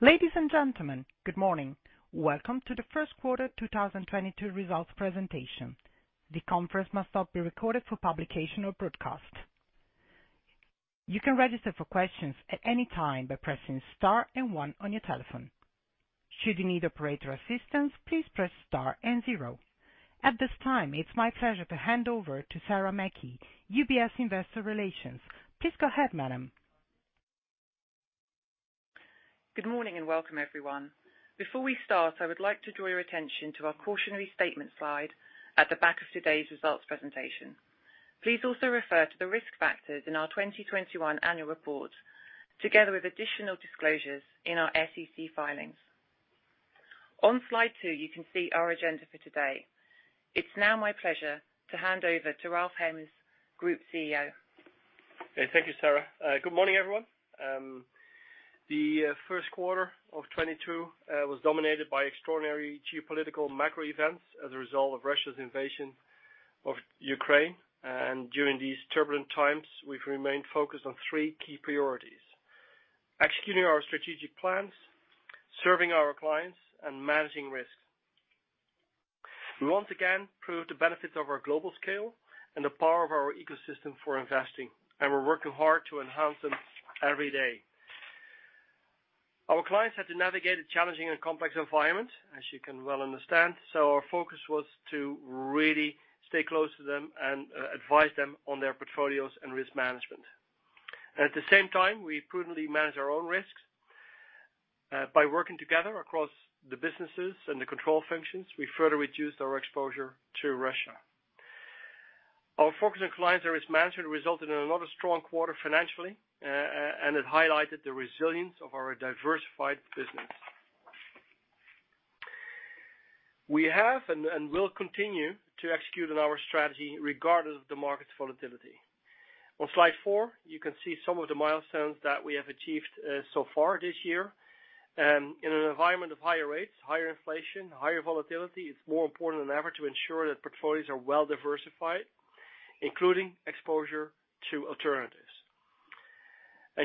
Ladies and gentlemen, good morning. Welcome to the first quarter 2022 results presentation. The conference must not be recorded for publication or broadcast. You can register for questions at any time by pressing star and one on your telephone. Should you need operator assistance, please press star and zero. At this time, it's my pleasure to hand over to Sarah Mackey, UBS Investor Relations. Please go ahead, Madam. Good morning and welcome, everyone. Before we start, I would like to draw your attention to our Cautionary Statement slide at the back of today's results presentation. Please also refer to the Risk Factors in our 2021 Annual Report, together with additional disclosures in our SEC filings. On slide two, you can see our agenda for today. It's now my pleasure to hand over to Ralph Hamers, Group CEO. Thank you, Sarah. Good morning, everyone. The first quarter of 2022 was dominated by extraordinary geopolitical macro events as a result of Russia's invasion of Ukraine. During these turbulent times, we've remained focused on three key priorities, executing our strategic plans, serving our clients, and managing risks. We once again proved the benefits of our global scale and the power of our ecosystem for investing, and we're working hard to enhance them every day. Our clients had to navigate a challenging and complex environment, as you can well understand, so our focus was to really stay close to them and advise them on their portfolios and risk management. At the same time, we prudently manage our own risks by working together across the businesses and the control functions. We further reduced our exposure to Russia. Our focus on clients and risk management resulted in another strong quarter financially, and it highlighted the resilience of our diversified business. We have and will continue to execute on our strategy regardless of the market's volatility. On slide four, you can see some of the milestones that we have achieved so far this year in an environment of higher rates, higher inflation, higher volatility. It's more important than ever to ensure that portfolios are well diversified, including exposure to alternatives.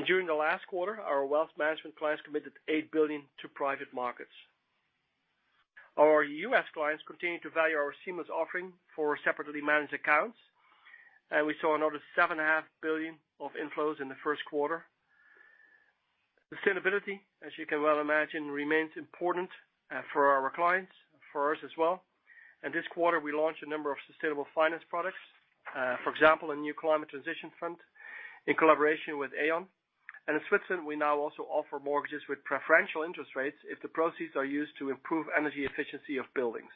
During the last quarter, our wealth management clients committed $8 billion to private markets. Our U.S. clients continue to value our seamless offering for separately managed accounts, and we saw another $7.5 billion of inflows in the first quarter. Sustainability, as you can well imagine, remains important for our clients, for us as well. This quarter, we launched a number of sustainable finance products, for example, a new climate transition fund in collaboration with Aon. In Switzerland, we now also offer mortgages with preferential interest rates if the proceeds are used to improve energy efficiency of buildings.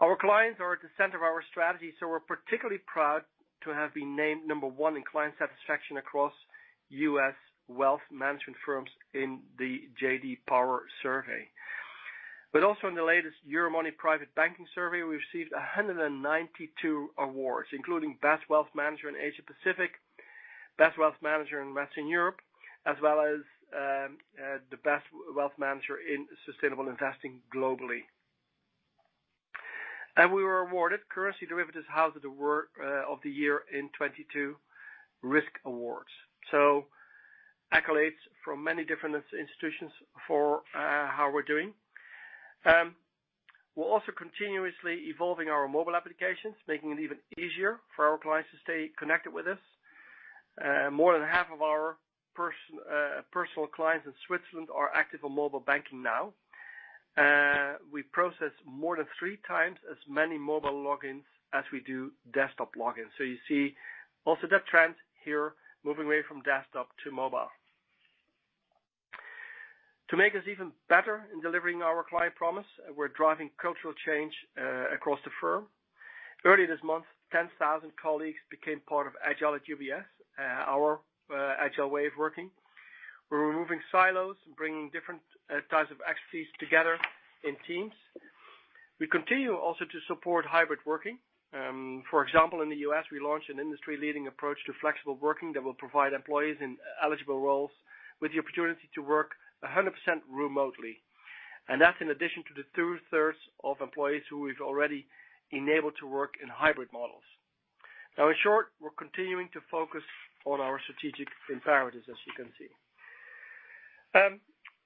Our clients are at the center of our strategy, so we're particularly proud to have been named number one in client satisfaction across U.S. wealth management firms in the J.D. Power Survey. Also, in the latest Euromoney Private Banking Survey, we received 192 awards, including Best Wealth Manager in Asia Pacific, Best Wealth Manager in Western Europe, as well as the Best Wealth Manager in Sustainable Investing globally. We were awarded Currency Derivatives House of the Year in 2022 Risk Awards. Accolades from many different institutions for how we're doing. We're also continuously evolving our mobile applications, making it even easier for our clients to stay connected with us. More than half of our personal clients in Switzerland are active on mobile banking now. We process more than three times as many mobile logins as we do desktop logins. You see also that trend here, moving away from desktop to mobile. To make us even better in delivering our client promise, we're driving cultural change across the firm. Early this month, 10,000 colleagues became part of Agile@UBS, our agile way of working. We're removing silos and bringing different types of expertise together in teams. We continue also to support hybrid working. For example, in the U.S., we launched an industry-leading approach to flexible working that will provide employees in eligible roles with the opportunity to work 100% remotely. That's in addition to the 2/3 of employees who we've already enabled to work in hybrid models. In short, we're continuing to focus on our strategic imperatives, as you can see.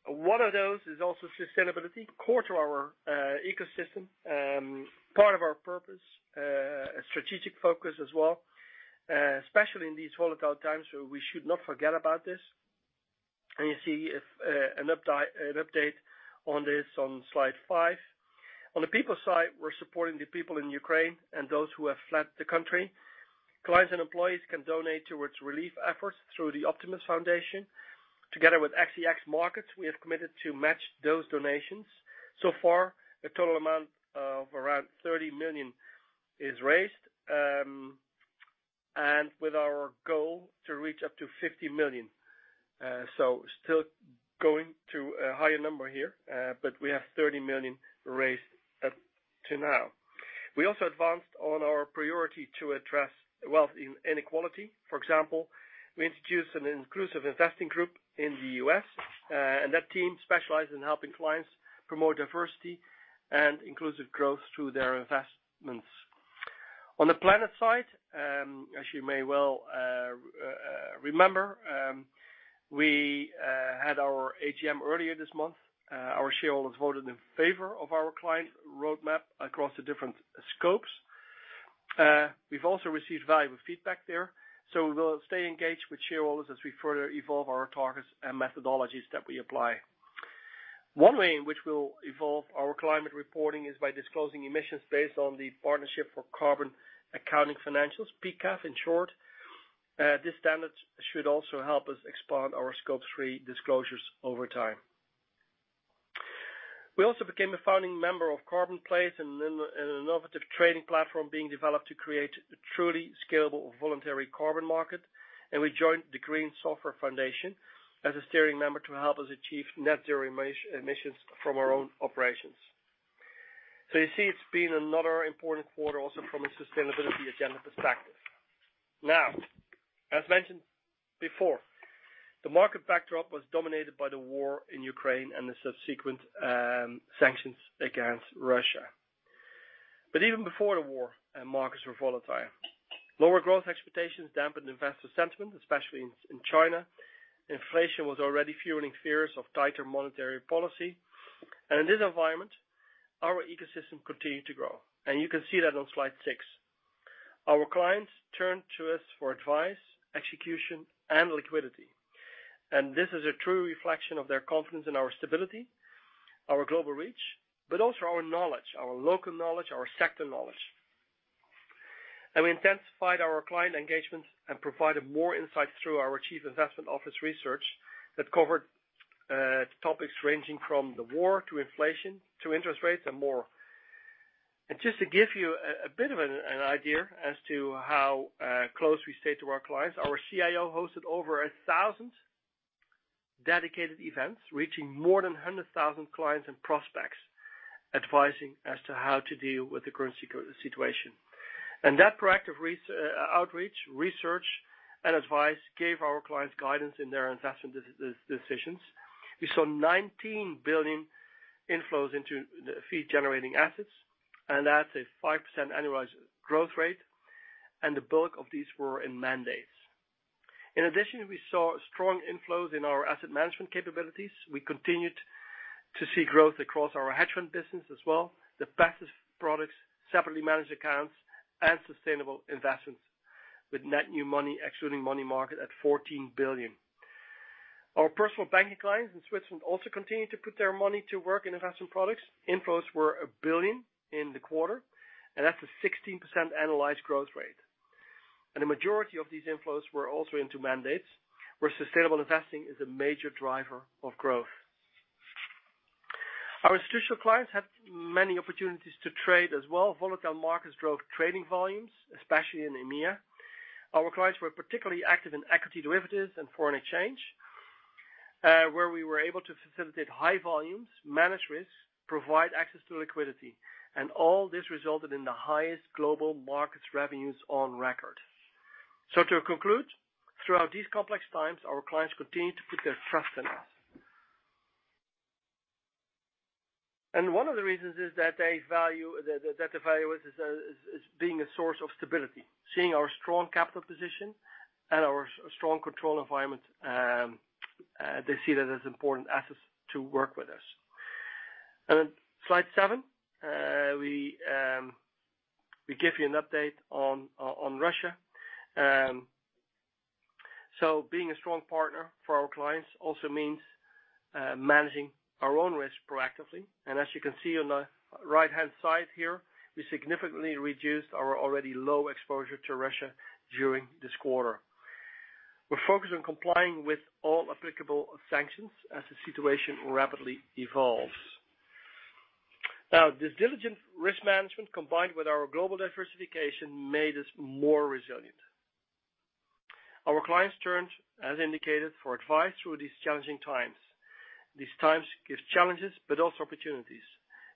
One of those is also sustainability, core to our ecosystem, part of our purpose, a strategic focus as well, especially in these volatile times, so we should not forget about this. You see an update on this on slide five. On the people side, we're supporting the people in Ukraine and those who have fled the country. Clients and employees can donate toward relief efforts through the Optimus Foundation. Together with XTX Markets, we have committed to match those donations. So far, a total amount of around $30 million is raised, and with our goal to reach up to $50 million. Still going to a higher number here, but we have $30 million raised up to now. We also advanced on our priority to address wealth inequality. For example, we introduced an inclusive investing group in the U.S., and that team specializes in helping clients promote diversity and inclusive growth through their investments. On the planet side, as you may well remember, we had our AGM earlier this month. Our shareholders voted in favor of our climate roadmap across the different scopes. We've also received valuable feedback there, so we'll stay engaged with shareholders as we further evolve our targets and methodologies that we apply. One way in which we'll evolve our climate reporting is by disclosing emissions based on the Partnership for Carbon Accounting Financials, PCAF in short. This standard should also help us expand our Scope 3 disclosures over time. We also became a founding member of Carbonplace, an innovative trading platform being developed to create a truly scalable voluntary carbon market. We joined the Green Software Foundation as a steering member to help us achieve net zero emissions from our own operations. You see, it's been another important quarter also from a sustainability agenda perspective. Now, as mentioned before, the market backdrop was dominated by the war in Ukraine and the subsequent sanctions against Russia. Even before the war, markets were volatile. Lower growth expectations dampened investor sentiment, especially in China. Inflation was already fueling fears of tighter monetary policy. In this environment, our ecosystem continued to grow. You can see that on slide six. Our clients turned to us for advice, execution, and liquidity. This is a true reflection of their confidence in our stability, our global reach, but also our knowledge, our local knowledge, our sector knowledge. We intensified our client engagements and provided more insights through our chief investment office research that covered topics ranging from the war to inflation to interest rates and more. Just to give you a bit of an idea as to how close we stay to our clients, our CIO hosted over 1,000 dedicated events, reaching more than 100,000 clients and prospects, advising as to how to deal with the current situation. That proactive outreach, research, and advice gave our clients guidance in their investment decisions. We saw $19 billion inflows into the fee-generating assets, and that's a 5% annualized growth rate, and the bulk of these were in mandates. In addition, we saw strong inflows in our Asset Management capabilities. We continued to see growth across our hedge fund business as well. The passive products, separately managed accounts and sustainable investments with net new money excluding money market at $14 billion. Our Personal Banking clients in Switzerland also continued to put their money to work in investment products. Inflows were $1 billion in the quarter, and that's a 16% annualized growth rate. The majority of these inflows were also into mandates, where sustainable investing is a major driver of growth. Our institutional clients had many opportunities to trade as well. Volatile markets drove trading volumes, especially in EMEA. Our clients were particularly active in equity derivatives and foreign exchange, where we were able to facilitate high volumes, manage risks, provide access to liquidity, and all this resulted in the highest Global Markets revenues on record. To conclude, throughout these complex times, our clients continued to put their trust in us. One of the reasons is that they value, that the value is being a source of stability. Seeing our strong capital position and our strong control environment, they see that as important assets to work with us. Slide seven, we give you an update on Russia. Being a strong partner for our clients also means managing our own risk proactively. As you can see on the right-hand side here, we significantly reduced our already low exposure to Russia during this quarter. We're focused on complying with all applicable sanctions as the situation rapidly evolves. Now, this diligent risk management, combined with our global diversification, made us more resilient. Our clients turned, as indicated, for advice through these challenging times. These times give challenges but also opportunities.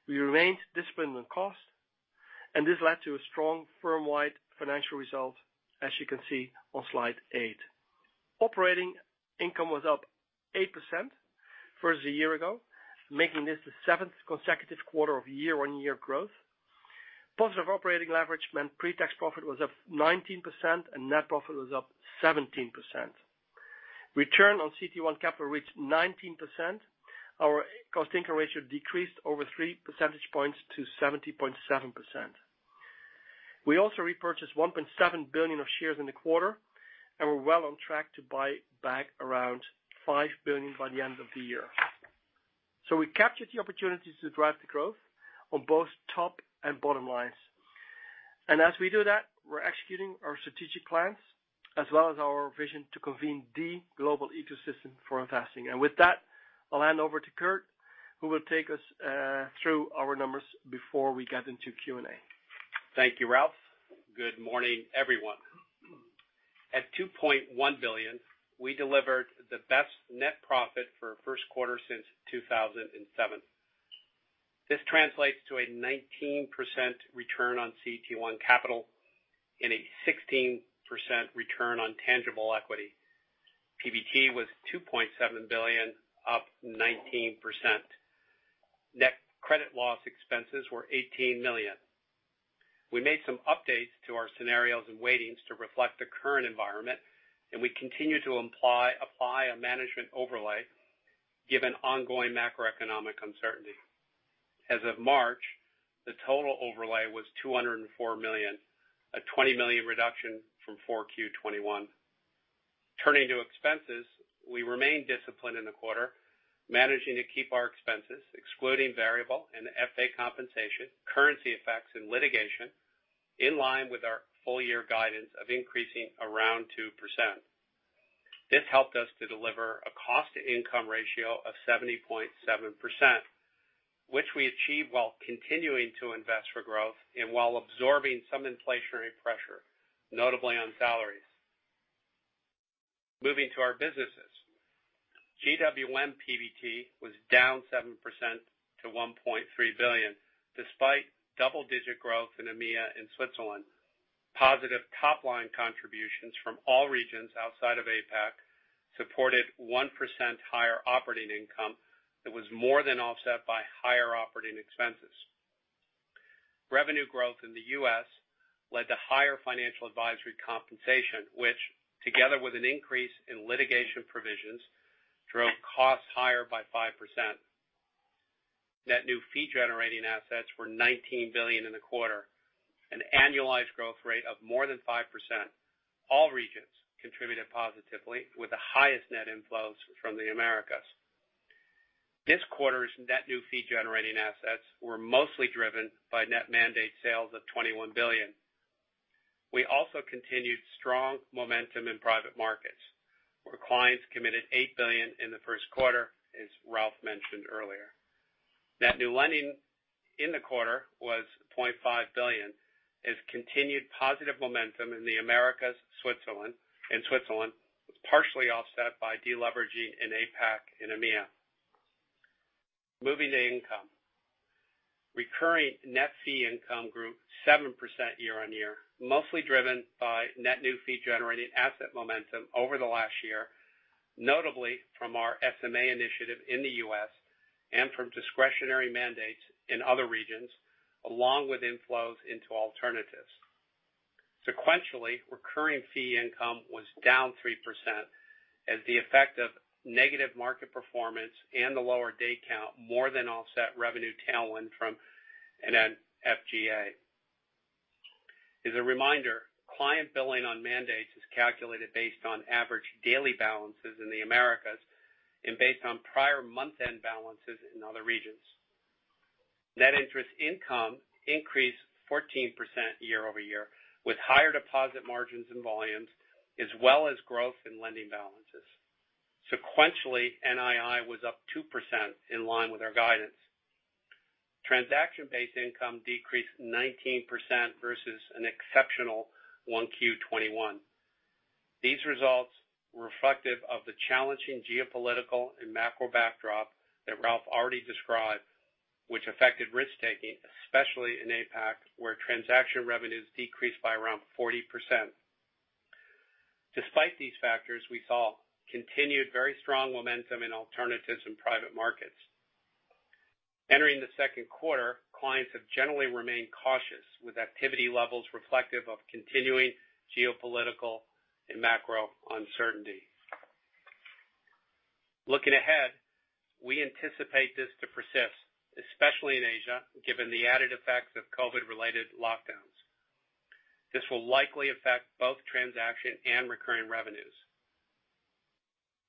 We remained disciplined on cost, and this led to a strong firm-wide financial result as you can see on slide eight. Operating income was up 8% versus a year ago, making this the seventh consecutive quarter of year-on-year growth. Positive operating leverage meant pre-tax profit was up 19%, and net profit was up 17%. Return on CET1 capital reached 19%. Our cost-income ratio decreased over 3 percentage points to 70.7%. We also repurchased $1.7 billion of shares in the quarter, and we're well on track to buy back around $5 billion by the end of the year. We captured the opportunities to drive the growth on both top and bottom lines. As we do that, we're executing our strategic plans as well as our vision to convene the global ecosystem for investing. With that, I'll hand over to Kirt, who will take us through our numbers before we get into Q&A. Thank you, Ralph. Good morning, everyone. At $2.1 billion, we delivered the best net profit for a first quarter since 2007. This translates to a 19% return on CET1 capital and a 16% return on tangible equity. PBT was $2.7 billion, up 19%. Net credit loss expenses were $18 million. We made some updates to our scenarios and weightings to reflect the current environment, and we continue to apply a management overlay given ongoing macroeconomic uncertainty. As of March, the total overlay was $204 million, a $20 million reduction from 4Q 2021. Turning to expenses, we remained disciplined in the quarter, managing to keep our expenses excluding variable and FA compensation, currency effects, and litigation in line with our full year guidance of increasing around 2%. This helped us to deliver a cost-to-income ratio of 70.7%, which we achieved while continuing to invest for growth and while absorbing some inflationary pressure, notably on salaries. Moving to our businesses. GWM PBT was down 7% to $1.3 billion despite double-digit growth in EMEA in Switzerland. Positive top line contributions from all regions outside of APAC supported 1% higher operating income that was more than offset by higher operating expenses. Revenue growth in the U.S. led to higher financial advisor compensation, which together with an increase in litigation provisions, drove costs higher by 5%. Net new fee-generating assets were $19 billion in the quarter, an annualized growth rate of more than 5%. All regions contributed positively with the highest net inflows from the Americas. This quarter's net new fee-generating assets were mostly driven by net mandate sales of $21 billion. We also continued strong momentum in private markets where clients committed $8 billion in the first quarter, as Ralph mentioned earlier. Net new lending in the quarter was $0.5 billion as continued positive momentum in the Americas and Switzerland was partially offset by deleveraging in APAC and EMEA. Moving to income. Recurring net fee income grew 7% year-on-year, mostly driven by net new fee-generating asset momentum over the last year, notably from our SMA initiative in the U.S. and from discretionary mandates in other regions, along with inflows into alternatives. Sequentially, recurring fee income was down 3% as the effect of negative market performance and the lower day count more than offset revenue tailwind from NNFGA. As a reminder, client billing on mandates is calculated based on average daily balances in the Americas and based on prior month-end balances in other regions. Net interest income increased 14% year-over-year, with higher deposit margins and volumes, as well as growth in lending balances. Sequentially, NII was up 2% in line with our guidance. Transaction-based income decreased 19% versus an exceptional 1Q 2021. These results were reflective of the challenging geopolitical and macro backdrop that Ralph already described, which affected risk-taking, especially in APAC, where transaction revenues decreased by around 40%. Despite these factors, we saw continued very strong momentum in alternatives in private markets. Entering the second quarter, clients have generally remained cautious, with activity levels reflective of continuing geopolitical and macro uncertainty. Looking ahead, we anticipate this to persist, especially in Asia, given the added effects of COVID-related lockdowns. This will likely affect both transaction and recurring revenues.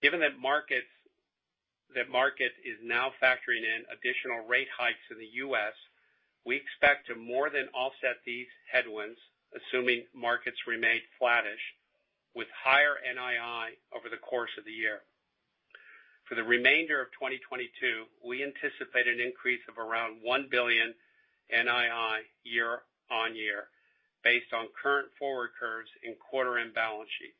Given that market is now factoring in additional rate hikes in the U.S., we expect to more than offset these headwinds, assuming markets remain flattish with higher NII over the course of the year. For the remainder of 2022, we anticipate an increase of around $1 billion NII year-on-year based on current forward curves and quarter-end balance sheet.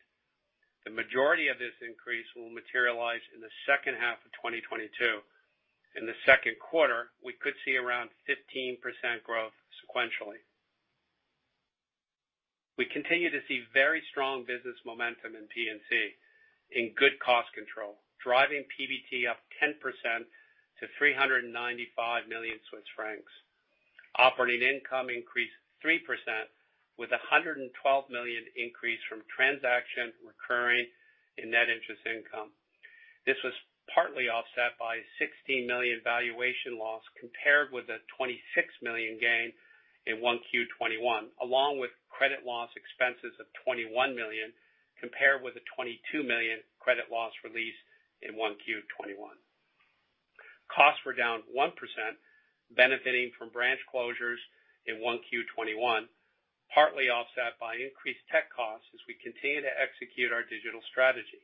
The majority of this increase will materialize in the second half of 2022. In the second quarter, we could see around 15% growth sequentially. We continue to see very strong business momentum in P&C and good cost control, driving PBT up 10% to 395 million Swiss francs. Operating income increased 3% with a $112 million increase from transactions, recurring, and net interest income. This was partly offset by $16 million valuation loss compared with a $26 million gain in 1Q 2021, along with credit loss expenses of $21 million compared with a $22 million credit loss release in 1Q 2021. Costs were down 1%, benefiting from branch closures in 1Q 2021, partly offset by increased tech costs as we continue to execute our digital strategy.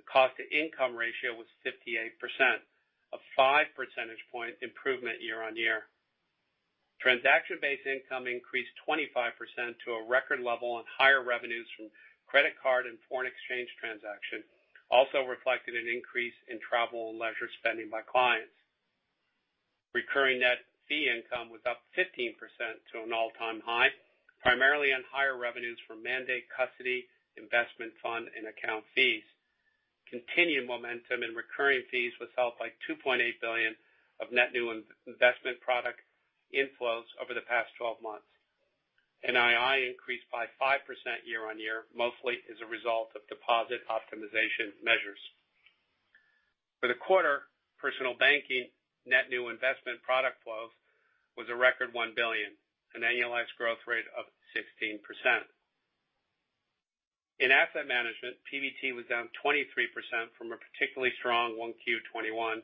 The cost-income ratio was 58%, a 5 percentage point improvement year-on-year. Transaction-based income increased 25% to a record level on higher revenues from credit card and foreign exchange transactions, also reflected an increase in travel and leisure spending by clients. Recurring net fee income was up 15% to an all-time high, primarily on higher revenues from mandate custody, investment fund, and account fees. Continued momentum in recurring fees was helped by $2.8 billion of net new investment product inflows over the past 12 months. NII increased by 5% year-on-year, mostly as a result of deposit optimization measures. For the quarter, Personal Banking net new investment product flows was a record $1 billion, an annualized growth rate of 16%. In Asset Management, PBT was down 23% from a particularly strong 1Q 2021.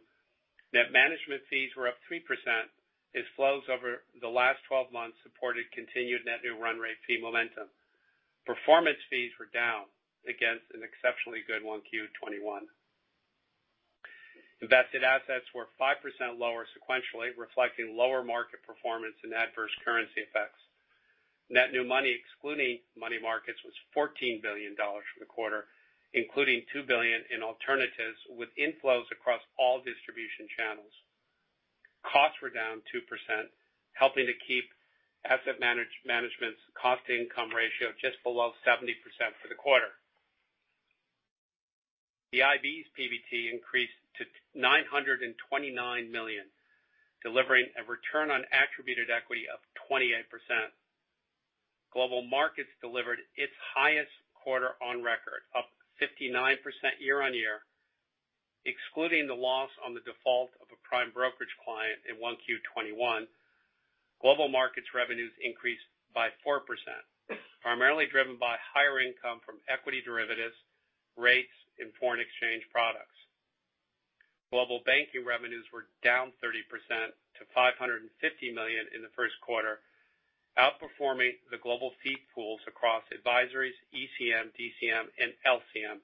Net management fees were up 3% as flows over the last 12 months supported continued net new run rate fee momentum. Performance fees were down against an exceptionally good 1Q 2021. Invested assets were 5% lower sequentially, reflecting lower market performance and adverse currency effects. Net new money, excluding money markets, was $14 billion for the quarter, including $2 billion in alternatives with inflows across all distribution channels. Costs were down 2%, helping to keep Asset Management's cost-income ratio just below 70% for the quarter. The IB's PBT increased to $929 million, delivering a return on attributed equity of 28%. Global Markets delivered its highest quarter on record, up 59% year-on-year. Excluding the loss on the default of a prime brokerage client in 1Q 2021, Global Markets revenues increased by 4%, primarily driven by higher income from equity derivatives, rates, and foreign exchange products. Global Banking revenues were down 30% to $550 million in the first quarter, outperforming the global fee pools across advisories, ECM, DCM, and LCM.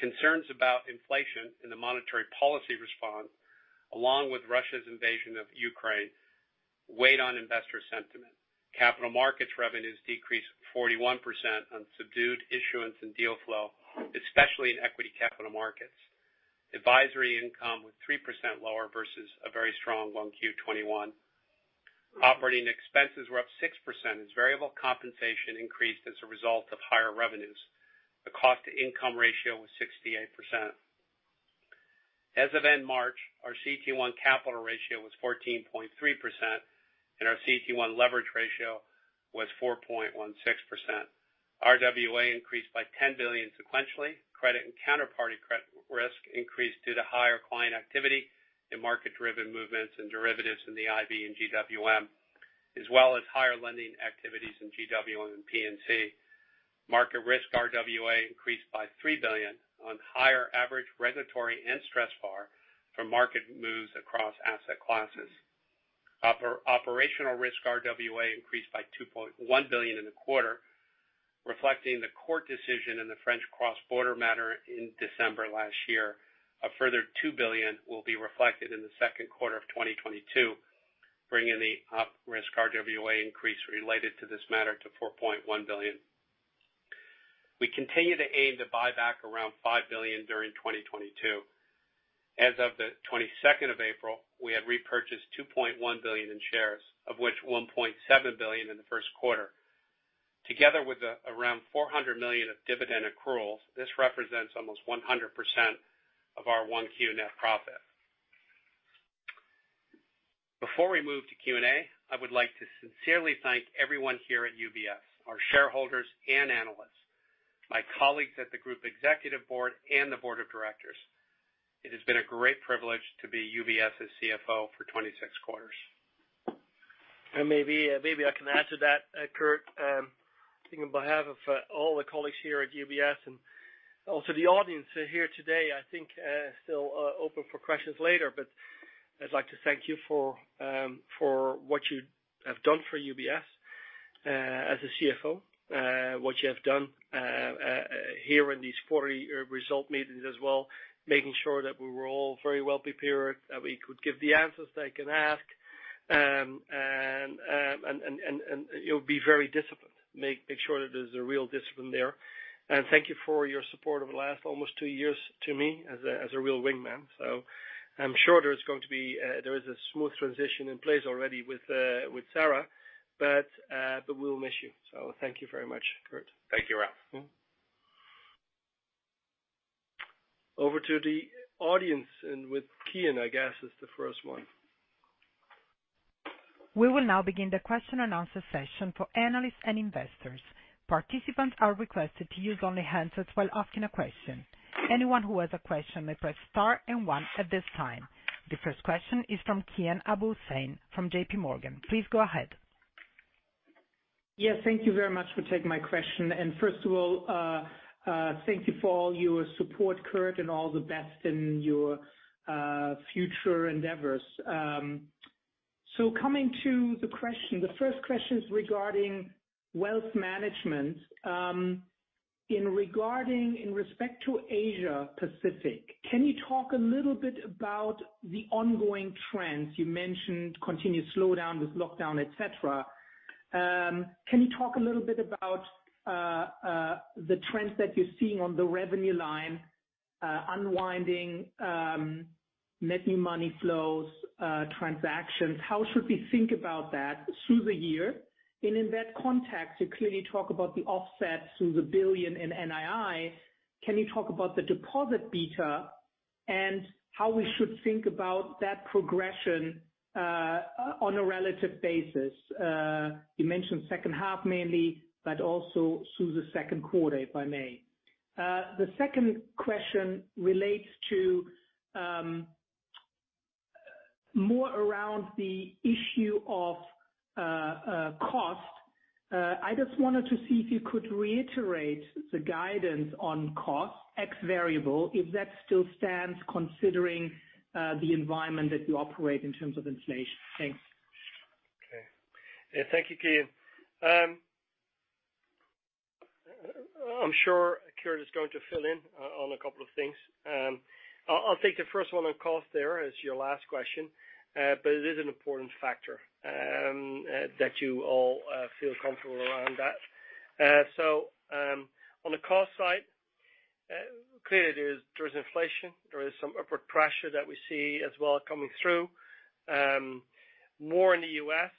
Concerns about inflation and the monetary policy response, along with Russia's invasion of Ukraine, weighed on investor sentiment. Capital markets revenues decreased 41% on subdued issuance and deal flow, especially in equity capital markets. Advisory income was 3% lower versus a very strong 1Q 2021. Operating expenses were up 6% as variable compensation increased as a result of higher revenues. The cost-income ratio was 68%. As of end March, our CET1 capital ratio was 14.3%, and our CET1 leverage ratio was 4.16%. RWA increased by $10 billion sequentially. Credit and counterparty credit risk increased due to higher client activity and market-driven movements and derivatives in the IB and GWM, as well as higher lending activities in GWM and P&C. Market risk RWA increased by $3 billion on higher average regulatory and stressed VaR from market moves across asset classes. Operational risk RWA increased by $2.1 billion in the quarter, reflecting the court decision in the French cross-border matter in December last year. A further $2 billion will be reflected in the second quarter of 2022, bringing the operational risk RWA increase related to this matter to $4.1 billion. We continue to aim to buy back around $5 billion during 2022. As of the 22nd of April, we had repurchased $2.1 billion in shares, of which $1.7 billion in the first quarter. Together with the around $400 million of dividend accruals, this represents almost 100% of our 1Q net profit. Before we move to Q&A, I would like to sincerely thank everyone here at UBS, our shareholders and analysts, my colleagues at the Group Executive Board and the Board of Directors. It has been a great privilege to be UBS's CFO for 26 quarters. Maybe I can add to that, Kirt. I think on behalf of all the colleagues here at UBS and also the audience here today, I think still open for questions later. I'd like to thank you for what you have done for UBS as a CFO, what you have done here in these quarterly results meetings as well, making sure that we were all very well-prepared, that we could give the answers they can ask, and you'll be very disciplined. Make sure that there's a real discipline there. Thank you for your support over the last almost two years to me as a real wingman. I'm sure there is a smooth transition in place already with Sarah, but we'll miss you. Thank you very much, Kirt. Thank you, Ralph. Over to the audience, and with Kian, I guess, is the first one. We will now begin the question and answer session for analysts and investors. Participants are requested to use only handsets while asking a question. Anyone who has a question may press star and one at this time. The first question is from Kian Abouhossein from JPMorgan. Please go ahead. Yes, thank you very much for taking my question. First of all, thank you for all your support, Kirt, and all the best in your future endeavors. Coming to the question, the first question is regarding wealth management in respect to Asia Pacific. Can you talk a little bit about the ongoing trends? You mentioned continued slowdown with lockdown, et cetera. Can you talk a little bit about the trends that you're seeing on the revenue line, unwinding net new money flows, transactions? How should we think about that through the year? In that context, you clearly talk about the offsets through the billion in NII. Can you talk about the deposit beta and how we should think about that progression on a relative basis? You mentioned second half mainly, but also through the second quarter, if I may. The second question relates to more around the issue of cost. I just wanted to see if you could reiterate the guidance on cost ex-variable, if that still stands considering the environment that you operate in terms of inflation. Thanks. Okay. Yeah, thank you, Kian. I'm sure Kirt is going to fill in on a couple of things. I'll take the first one on cost there as your last question, but it is an important factor that you all feel comfortable around that. So, on the cost side, clearly there's inflation, there is some upward pressure that we see as well coming through, more in the U.S.,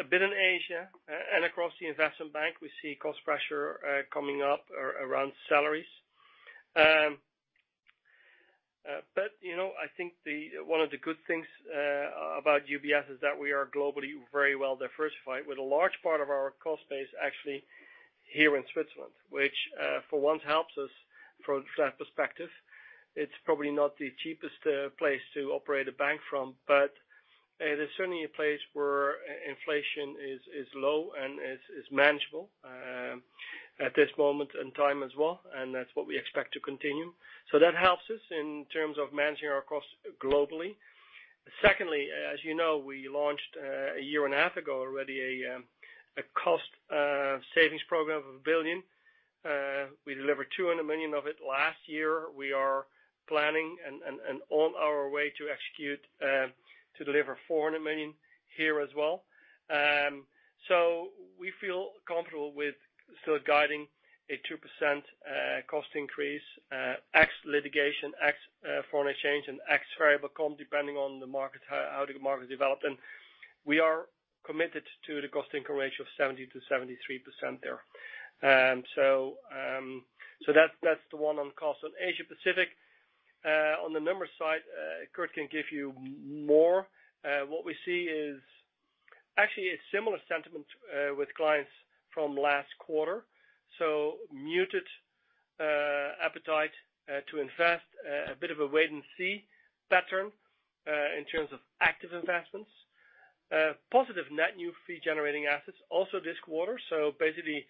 a bit in Asia, and across the Investment Bank, we see cost pressure coming up around salaries. You know, I think one of the good things about UBS is that we are globally very well-diversified with a large part of our cost base actually here in Switzerland, which for once helps us from that perspective. It's probably not the cheapest place to operate a bank from, but it is certainly a place where inflation is low and manageable at this moment in time as well, and that's what we expect to continue. That helps us in terms of managing our costs globally. Secondly, as you know, we launched a year and a half ago already a cost savings program of $1 billion. We delivered $200 million of it last year. We are planning and on our way to execute to deliver $400 million here as well. So we feel comfortable with still guiding a 2% cost increase ex-litigation, ex-foreign exchange, and ex-variable comp, depending on the market, how the market developed. We are committed to the cost-income ratio of 70%-73% there. That's the one on cost. On Asia Pacific, on the numbers side, Kirt can give you more. What we see is actually a similar sentiment with clients from last quarter. Muted appetite to invest, a bit of a wait-and-see pattern in terms of active investments. Positive net new fee-generating assets also this quarter. Basically,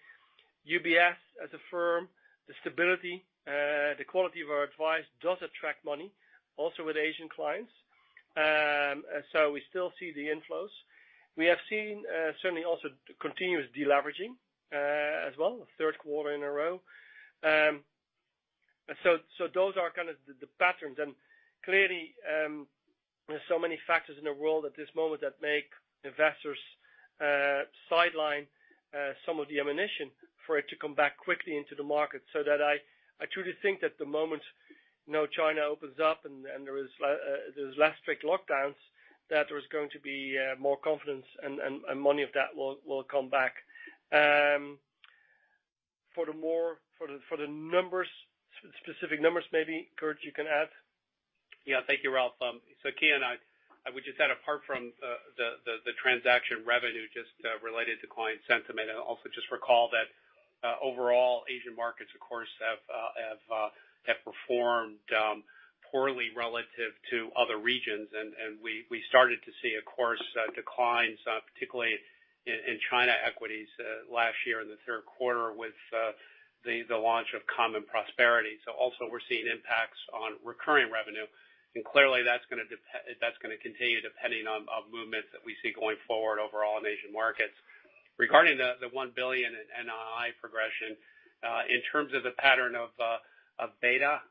UBS as a firm, the stability, the quality of our advice does attract money also with Asian clients. We still see the inflows. We have seen certainly also continuous deleveraging as well, third quarter in a row. Those are kind of the patterns. Clearly, there's so many factors in the world at this moment that make investors sideline some of the ammunition for it to come back quickly into the market. I truly think that the moment, you know, China opens up and there is less strict lockdowns, that there's going to be more confidence and money of that will come back. For the numbers, specific numbers, maybe, Kirt, you can add. Yeah. Thank you, Ralph. So Kian, I would just add, apart from the transaction revenue just related to client sentiment, I also just recall that overall Asian markets, of course, have performed poorly relative to other regions. We started to see, of course, declines particularly in China equities last year in the third quarter with the launch of common prosperity. We're seeing impacts on recurring revenue, and clearly that's gonna continue depending on movements that we see going forward overall in Asian markets. Regarding the $1 billion in NII progression, in terms of the pattern of beta,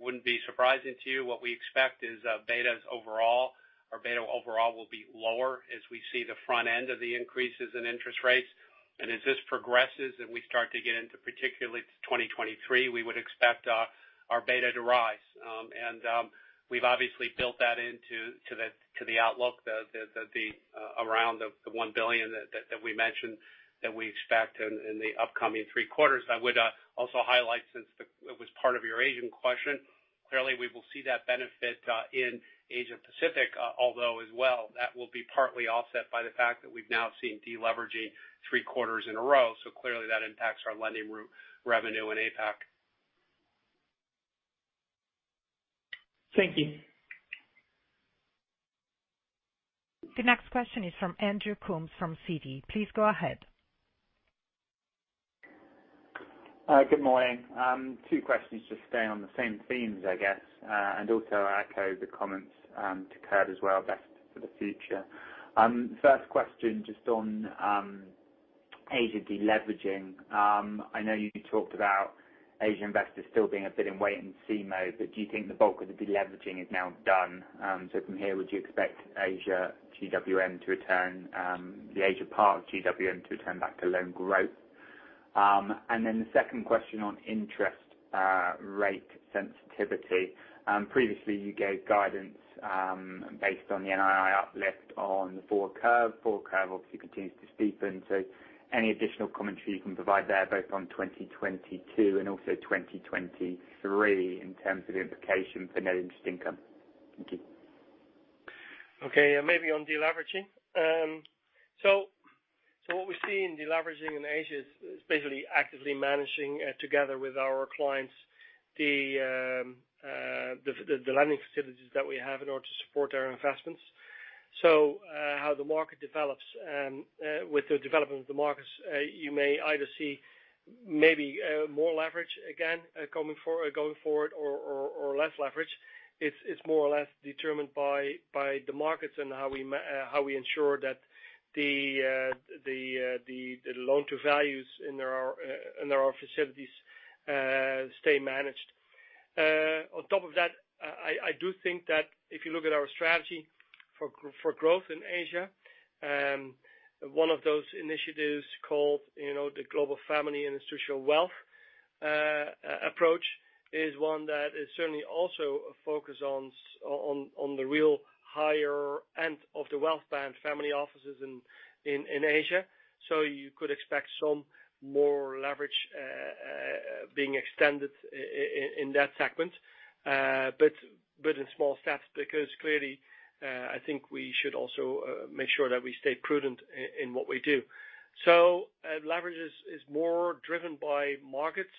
wouldn't be surprising to you. What we expect is, betas overall or beta overall will be lower as we see the front end of the increases in interest rates. As this progresses and we start to get into particularly 2023, we would expect our beta to rise. We've obviously built that into the outlook around the $1 billion that we mentioned that we expect in the upcoming three quarters. I would also highlight, since it was part of your Asian question, clearly, we will see that benefit in Asia Pacific, although as well, that will be partly offset by the fact that we've now seen deleveraging three quarters in a row. Clearly that impacts our lending revenue in APAC. Thank you. The next question is from Andrew Coombs from Citi. Please go ahead. Good morning. Two questions, just staying on the same themes, I guess. Also I echo the comments to Kirt as well, best for the future. First question, just on Asia deleveraging. I know you talked about Asian investors still being a bit in wait-and-see mode, but do you think the bulk of the deleveraging is now done? From here, would you expect Asia GWM to return, the Asia part of GWM to return back to loan growth? Then the second question on interest rate sensitivity. Previously you gave guidance based on the NII uplift on the forward curve. Forward curve obviously continues to steepen. Any additional commentary you can provide there, both on 2022 and also 2023 in terms of implication for net interest income. Thank you. Yeah, maybe on deleveraging. What we see in deleveraging in Asia is basically actively managing together with our clients the lending facilities that we have in order to support our investments. How the market develops with the development of the markets, you may either see maybe more leverage again going forward or less leverage. It's more or less determined by the markets and how we ensure that the loan to values in our facilities stay managed. On top of that, I do think that if you look at our strategy for growth in Asia, one of those initiatives called, you know, the Global Family and Institutional Wealth approach is one that is certainly also a focus on the really higher end of the wealth band, family offices in Asia. You could expect some more leverage being extended in that segment. But in small steps, because clearly, I think we should also make sure that we stay prudent in what we do. Leverage is more driven by markets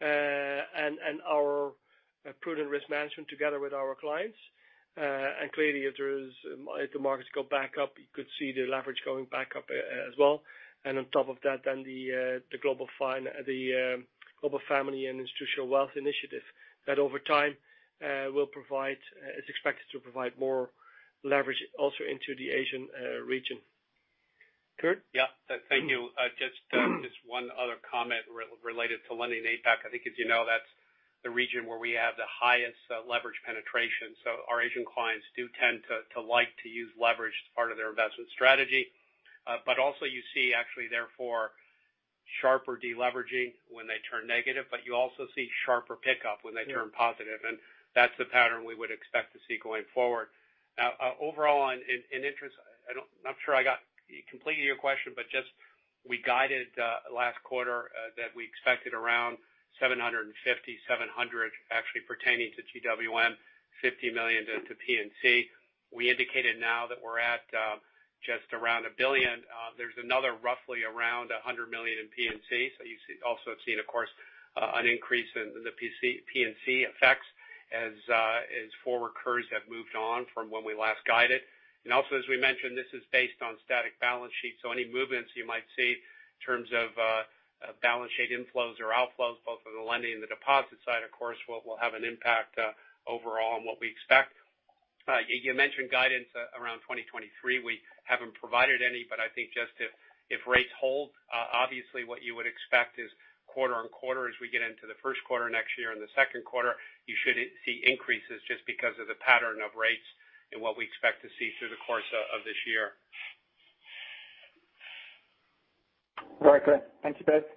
and our prudent risk management together with our clients. Clearly, if the markets go back up, you could see the leverage going back up as well. On top of that, the Global Family and Institutional Wealth initiative, that over time is expected to provide more leverage also into the Asian region. Kirt? Yeah. Thank you. Just one other comment related to lending in APAC. I think as you know, that's the region where we have the highest leverage penetration. So our Asian clients do tend to like to use leverage as part of their investment strategy. But also you see actually therefore sharper deleveraging when they turn negative, but you also see sharper pickup when they turn positive. That's the pattern we would expect to see going forward. Now, overall on interest, I'm not sure I got your question completely, but just we guided last quarter that we expected around 750, 700 actually pertaining to GWM, $50 million to P&C. We indicated now that we're at just around $1 billion. There's another roughly around $100 million in P&C. You also have seen, of course, an increase in the P&C effects as for accruals have moved on from when we last guided. Also as we mentioned, this is based on static balance sheets, so any movements you might see in terms of balance sheet inflows or outflows, both on the lending and the deposit side, of course, will have an impact overall on what we expect. You mentioned guidance around 2023. We haven't provided any, but I think just if rates hold, obviously what you would expect is quarter-on-quarter as we get into the first quarter next year and the second quarter, you should see increases just because of the pattern of rates and what we expect to see through the course of this year. All right, Kirt. Thank you both.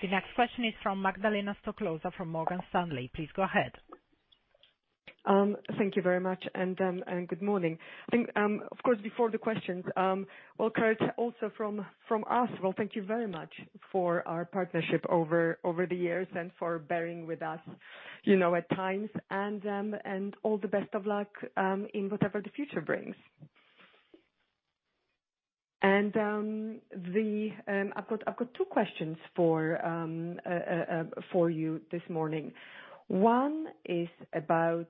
The next question is from Magdalena Stoklosa from Morgan Stanley. Please go ahead. Thank you very much and good morning. I think of course before the questions, well, Kirt, also from us, well, thank you very much for our partnership over the years and for bearing with us, you know, at times, and all the best of luck in whatever the future brings. I've got two questions for you this morning. One is about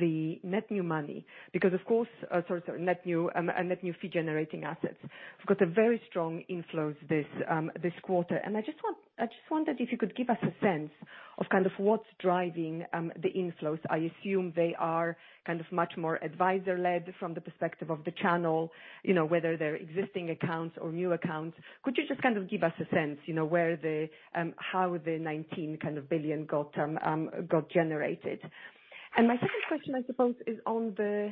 the net new money, because of course, I'm sorry, net new fee-generating assets. We've got very strong inflows this quarter. I just wondered if you could give us a sense of kind of what's driving the inflows. I assume they are kind of much more advisor-led from the perspective of the channel, you know, whether they're existing accounts or new accounts. Could you just kind of give us a sense, you know, how the $19 billion got generated? My second question, I suppose, is on the,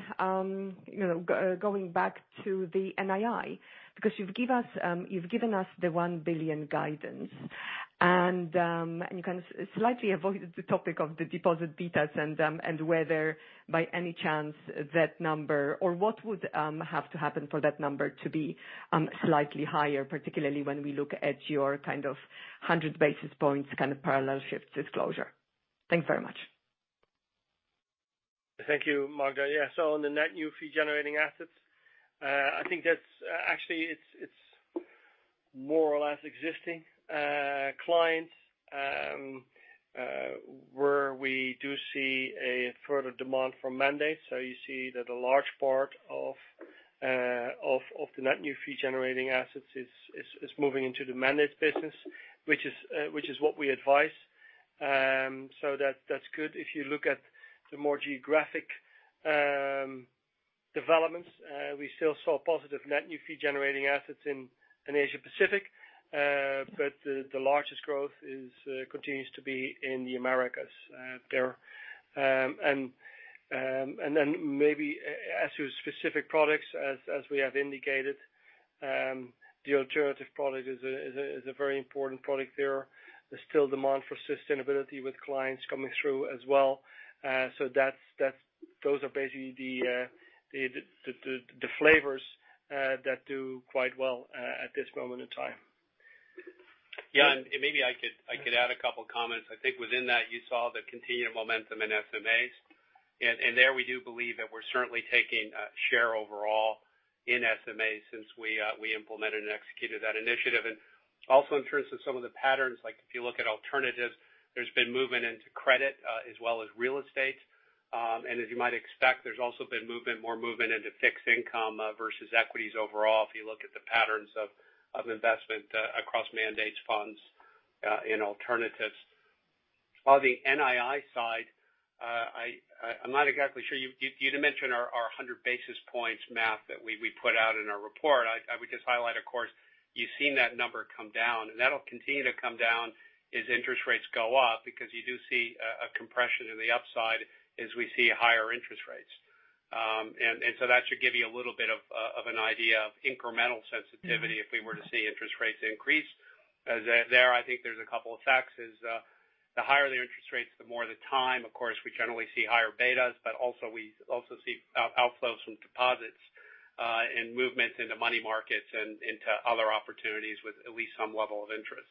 you know, going back to the NII. Because you've given us the $1 billion guidance and you kind of slightly avoided the topic of the deposit betas and whether by any chance that number or what would have to happen for that number to be slightly higher, particularly when we look at your kind of 100 basis points kind of parallel shift disclosure. Thanks very much. Thank you, Magda. Yeah. On the net new fee-generating assets, I think that's actually, it's more or less existing clients where we do see a further demand for mandates. You see that a large part of the net new fee-generating assets is moving into the mandates business, which is what we advise. That's good. If you look at the more geographic developments, we still saw positive net new fee-generating assets in Asia Pacific. But the largest growth continues to be in the Americas there. And then maybe as to specific products as we have indicated, the alternative product is a very important product there. There's still demand for sustainability with clients coming through as well. Those are basically the flavors that do quite well at this moment in time. Yeah. Maybe I could add a couple comments. I think within that, you saw the continued momentum in SMAs. There we do believe that we're certainly taking share overall in SMAs since we implemented and executed that initiative. Also in terms of some of the patterns, like if you look at alternatives, there's been movement into credit as well as real estate. As you might expect, there's also been more movement into fixed income versus equities overall, if you look at the patterns of investment across mandates, funds, and alternatives. On the NII side, I'm not exactly sure. You'd mentioned our 100 basis points math that we put out in our report. I would just highlight, of course, you've seen that number come down, and that'll continue to come down as interest rates go up because you do see a compression in the upside as we see higher interest rates. That should give you a little bit of an idea of incremental sensitivity if we were to see interest rates increase. There I think there's a couple of factors, the higher the interest rates, the more time. Of course, we generally see higher betas, but we see outflows from deposits, and movements into money markets and into other opportunities with at least some level of interest.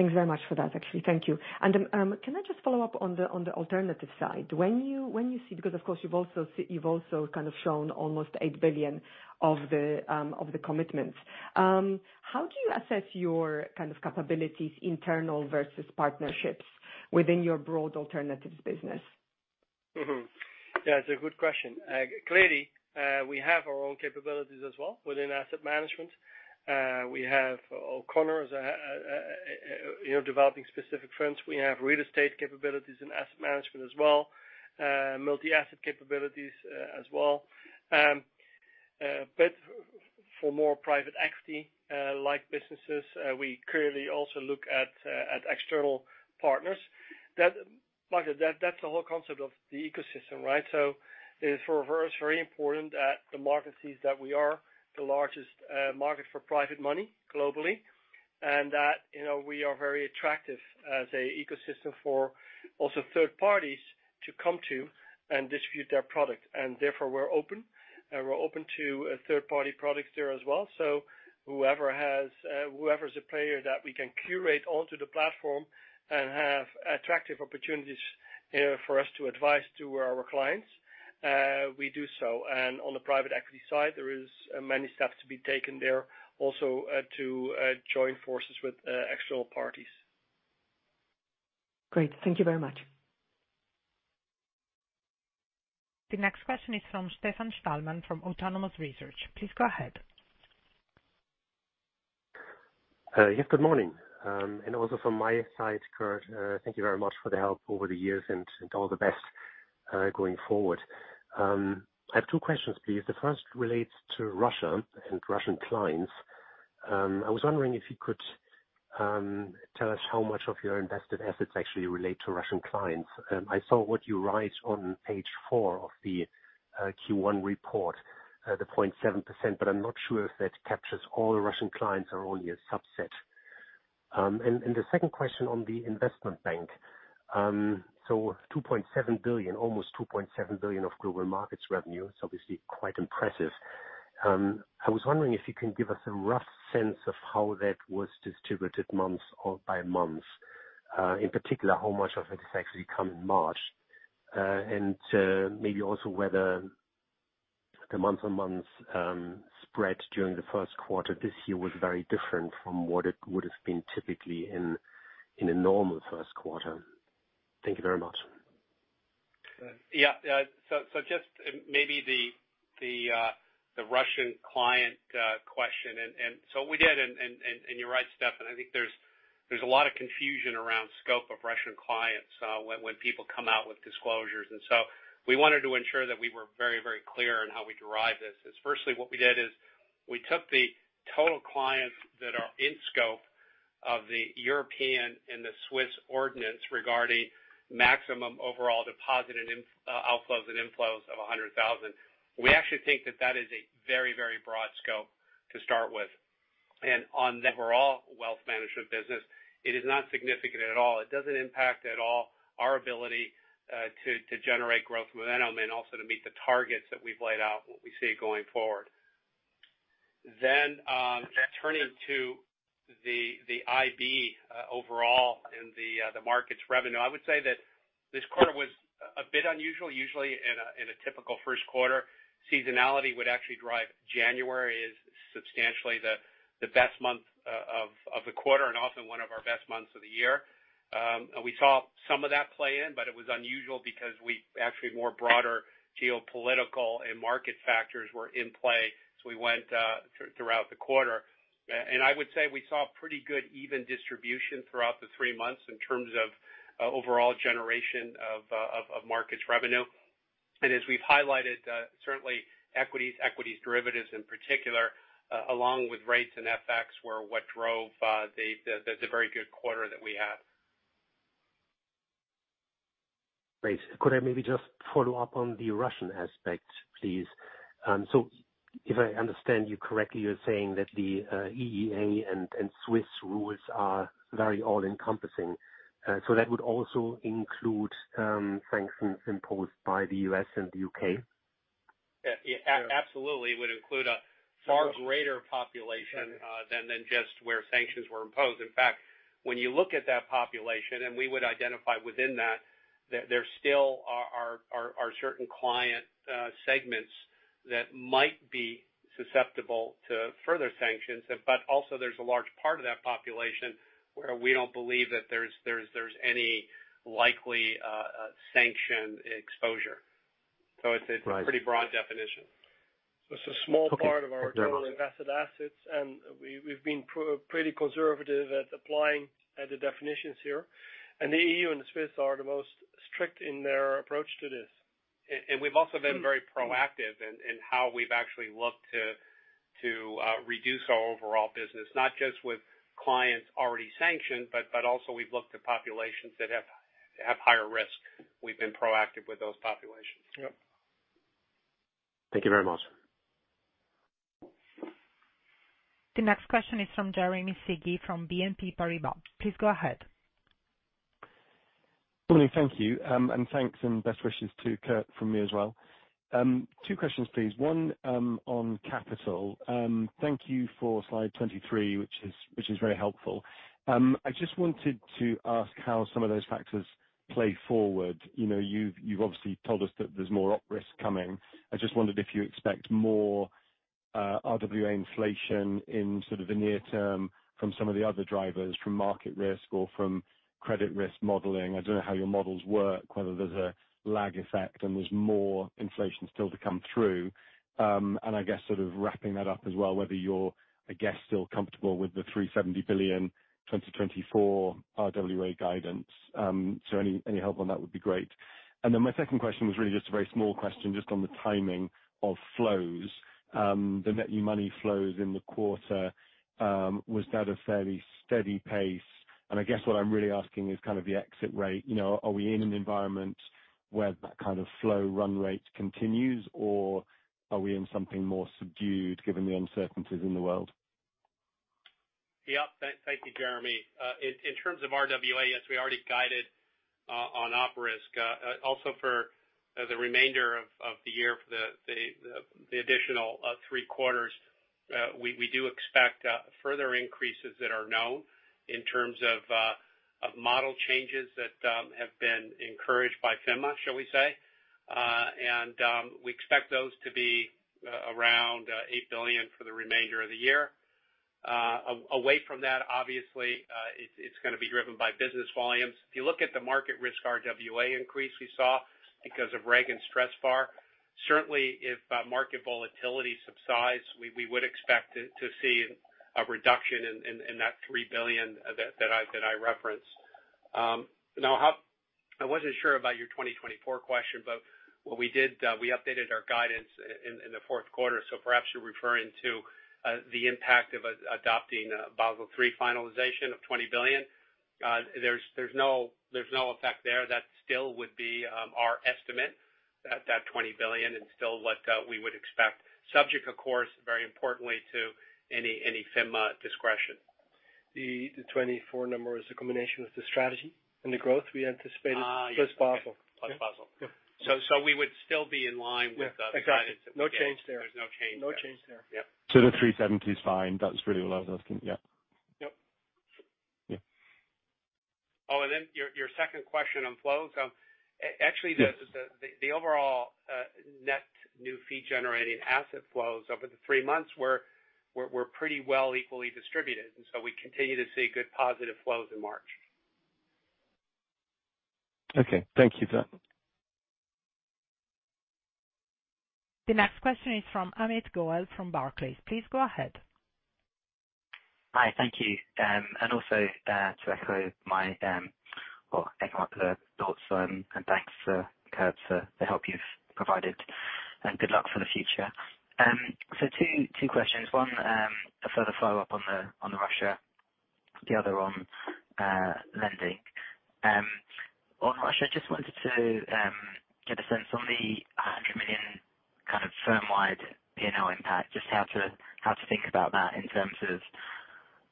Thanks very much for that, actually. Thank you. Can I just follow up on the alternatives side? When you see, because of course, you've also kind of shown almost $8 billion of the commitments, how do you assess your kind of capabilities internal versus partnerships within your broad alternatives business? It's a good question. Clearly, we have our own capabilities as well within Asset Management. We have O'Connor, you know, developing specific trends. We have real estate capabilities in Asset Management as well, multi-asset capabilities, as well. But for more private equity, like businesses, we clearly also look at external partners. That, Magda, that's the whole concept of the ecosystem, right? It is for us very important that the market sees that we are the largest market for private money globally, and that, you know, we are very attractive as an ecosystem for also third parties to come to and distribute their product. Therefore, we're open to third-party products there as well. Whoever is a player that we can curate onto the platform and have attractive opportunities for us to advise to our clients, we do so. On the private equity side, there is many steps to be taken there also to join forces with external parties. Great. Thank you very much. The next question is from Stefan Stalmann from Autonomous Research. Please go ahead. Yes, good morning. Also from my side, Kirt, thank you very much for the help over the years and all the best going forward. I have two questions, please. The first relates to Russia and Russian clients. I was wondering if you could tell us how much of your invested assets actually relate to Russian clients. I saw what you write on page four of the Q1 report, the 0.7%, but I'm not sure if that captures all Russian clients or only a subset. The second question on the Investment Bank. So $2.7 billion, almost $2.7 billion of Global Markets revenue, it's obviously quite impressive. I was wondering if you can give us a rough sense of how that was distributed months or by month. In particular, how much of it has actually come in March? Maybe also whether the month-on-month spread during the first quarter this year was very different from what it would have been typically in a normal first quarter. Thank you very much. Just maybe the Russian client question. We did, and you're right, Stefan. I think there's a lot of confusion around the scope of Russian clients when people come out with disclosures. We wanted to ensure that we were very clear on how we derive this. First, what we did is we took the total clients that are in scope of the European and the Swiss ordinance regarding maximum overall deposit inflows and outflows of 100,000. We actually think that is a very broad scope to start with. On the overall wealth management business, it is not significant at all. It doesn't impact at all our ability to generate growth momentum and also to meet the targets that we've laid out, what we see going forward. Then, turning to the IB overall and the markets revenue, I would say that this quarter was a bit unusual. Usually in a typical first quarter, seasonality would actually drive January as substantially the best month of the quarter and often one of our best months of the year. We saw some of that play in, but it was unusual because we, actually more broader geopolitical and market factors were in play as we went throughout the quarter. I would say we saw pretty good even distribution throughout the three months in terms of overall generation of markets revenue. As we've highlighted, certainly equity derivatives in particular, along with rates and FX were what drove the very good quarter that we had. Great. Could I maybe just follow up on the Russian aspect, please? If I understand you correctly, you're saying that the EEA and Swiss rules are very all-encompassing. That would also include sanctions imposed by the U.S. and the U.K.? Absolutely. It would include a far greater population than just where sanctions were imposed. In fact, when you look at that population, we would identify within that, there still are certain client segments that might be susceptible to further sanctions. But also there's a large part of that population where we don't believe that there's any likely sanction exposure. So it's a. Right. Pretty broad definition. It's a small part of our total invested assets, and we've been pretty conservative at applying the definitions here. The EU and the Swiss are the most strict in their approach to this. We've also been very proactive in how we've actually looked to reduce our overall business, not just with clients already sanctioned, but also we've looked to populations that have higher risk. We've been proactive with those populations. Yep. Thank you very much. The next question is from Jeremy Sigee from BNP Paribas. Please go ahead. Thank you. Thanks and best wishes to Kirt from me as well. Two questions, please. One, on capital. Thank you for slide 23, which is very helpful. I just wanted to ask how some of those factors play forward. You know, you've obviously told us that there's more op risk coming. I just wondered if you expect more RWA inflation in sort of the near term from some of the other drivers from market risk or from credit risk modeling. I don't know how your models work, whether there's a lag effect and there's more inflation still to come through. I guess sort of wrapping that up as well, whether you're still comfortable with the $370 billion 2024 RWA guidance. Any help on that would be great. Then my second question was really just a very small question just on the timing of flows. The net new money flows in the quarter was that a fairly steady pace? I guess what I'm really asking is kind of the exit rate. You know, are we in an environment where that kind of flow run rate continues, or are we in something more subdued given the uncertainties in the world? Yeah. Thank you, Jeremy. In terms of RWA, yes, we already guided on op risk. Also for the remainder of the year for the additional three quarters, we do expect further increases that are known in terms of model changes that have been encouraged by FINMA, shall we say. We expect those to be around $8 billion for the remainder of the year. Away from that, obviously, it's gonna be driven by business volumes. If you look at the market risk RWA increase we saw because of regulatory stress VaR, certainly if market volatility subsides, we would expect to see a reduction in that $3 billion that I referenced. Now how, I wasn't sure about your 2024 question, but what we did, we updated our guidance in the fourth quarter, so perhaps you're referring to the impact of adopting Basel III finalization of $20 billion. There's no effect there. That still would be our estimate, that $20 billion is still what we would expect subject, of course, very importantly to any FINMA discretion. The 2024 number is a combination of the strategy and the growth we anticipated. Yeah. Plus Basel. Plus Basel. Yeah. We would still be in line with the. Yeah. Exactly. Guidance that we gave. No change there. There's no change there. No change there. Yeah. The $370 million is fine. That's really all I was asking. Yeah. Yep. Yeah. Oh, your second question on flows. Actually the overall net new fee-generating asset flows over the three months were pretty well equally distributed, and so we continue to see good positive flows in March. Okay. Thank you for that. The next question is from Amit Goel from Barclays. Please go ahead. Hi. Thank you. And also, to echo my thoughts and thanks to Kirt for the help you've provided. Good luck for the future. Two questions. One, a further follow-up on Russia, the other on lending. On Russia, just wanted to get a sense on the $100 million kind of firm-wide P&L impact. Just how to think about that in terms of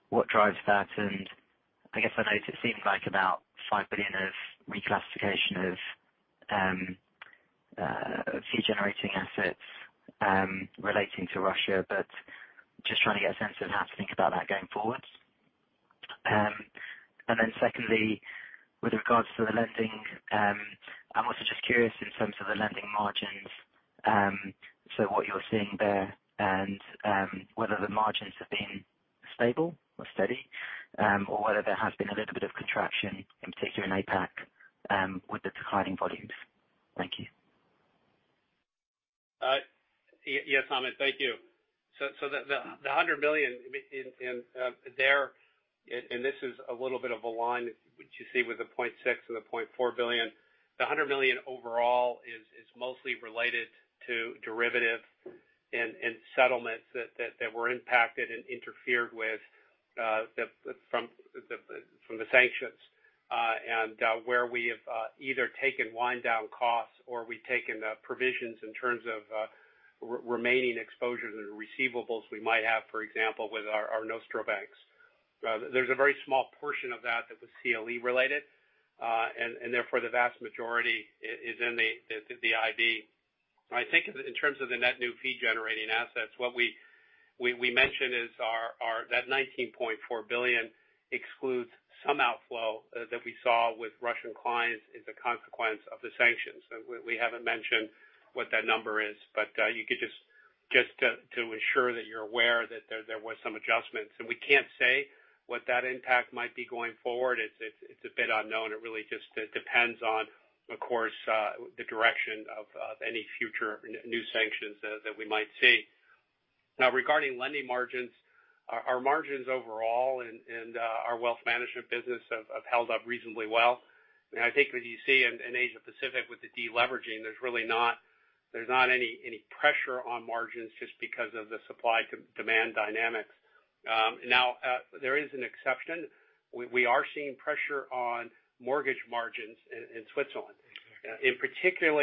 what drives that. I guess I know it seemed like about $5 billion of reclassification of fee-generating assets relating to Russia but just trying to get a sense of how to think about that going forward. Secondly, with regards to the lending, just curious in terms of the lending margins, so what you're seeing there and whether the margins have been stable or steady, or whether there has been a little bit of contraction, in particular in APAC, with the declining volumes. Thank you. Yes, Amit, thank you. The $100 million there, and this is a little bit of a line which you see with the $0.6 billion and the $0.4 billion. The $100 million overall is mostly related to derivatives and settlements that were impacted and interfered with from the sanctions, and where we have either taken wind down costs or we've taken provisions in terms of remaining exposures and receivables we might have, for example, with our nostro banks. There's a very small portion of that that was CLE-related, and therefore, the vast majority is in the IB. I think in terms of the net new fee-generating assets, what we mentioned is our, that $19.4 billion excludes some outflow that we saw with Russian clients as a consequence of the sanctions. We haven't mentioned what that number is, but you could just to ensure that you're aware that there was some adjustments. We can't say what that impact might be going forward. It's a bit unknown. It really just depends on, of course, the direction of any future new sanctions that we might see. Now, regarding lending margins, our margins overall and our wealth management business have held up reasonably well. I mean, I think as you see in Asia Pacific with the deleveraging, there's really not any pressure on margins just because of the supply-demand dynamics. Now, there is an exception. We are seeing pressure on mortgage margins in Switzerland, in particular,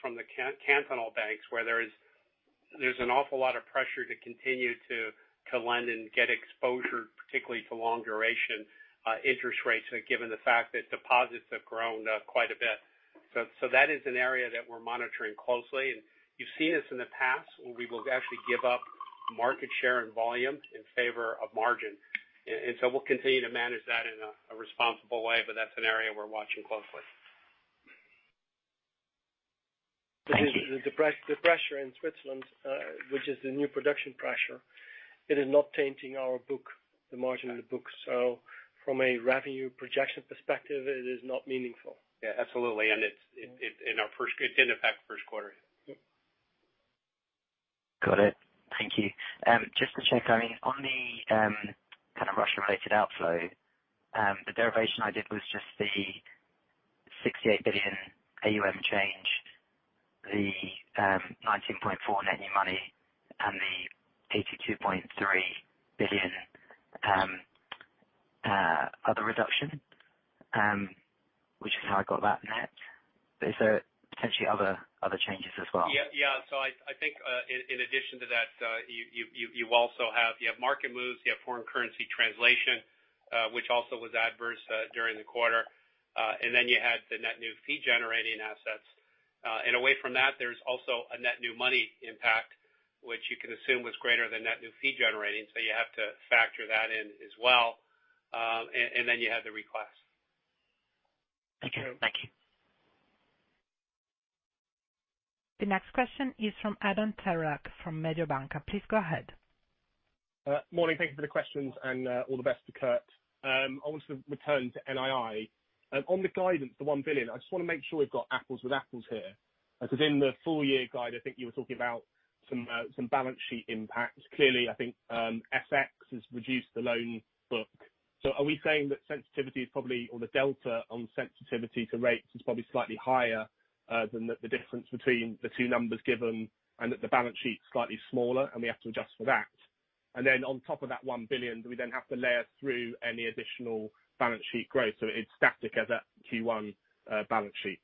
from the cantonal banks, where there's an awful lot of pressure to continue to lend and get exposure, particularly to long duration interest rates, given the fact that deposits have grown quite a bit. That is an area that we're monitoring closely. You've seen this in the past, where we will actually give up market share and volume in favor of margin. We'll continue to manage that in a responsible way. That's an area we're watching closely. Thank you. The pressure in Switzerland, which is the new production pressure, it is not tainting our book, the margin in the book. From a revenue projection perspective, it is not meaningful. Yeah, absolutely. It didn't affect first quarter. Got it. Thank you. Just to check, I mean, on the kind of Russia-related outflow, the derivation I did was just the $68 billion AUM change, the $19.4 billion net new money and the $82.3 billion other reduction, which is how I got that net. Is there potentially other changes as well? Yeah. I think in addition to that, you also have market moves, you have foreign currency translation, which also was adverse during the quarter. And then you had the net new fee-generating assets. And away from that, there's also a net new money impact, which you can assume was greater than net new fee-generating. You have to factor that in as well. And then you have the request. Thank you. The next question is from Adam Terelak from Mediobanca. Please go ahead. Morning. Thank you for the questions and all the best to Kirt. I want to return to NII. On the guidance, the $1 billion, I just wanna make sure we've got apples to apples here. As in the full-year guide, I think you were talking about some balance sheet impacts. Clearly, I think FX has reduced the loan book. Are we saying that sensitivity is probably, or the delta on sensitivity to rates is probably slightly higher than the difference between the two numbers given and that the balance sheet's slightly smaller and we have to adjust for that? Then on top of that $1 billion, do we then have to layer through any additional balance sheet growth so it's static as at Q1 balance sheet?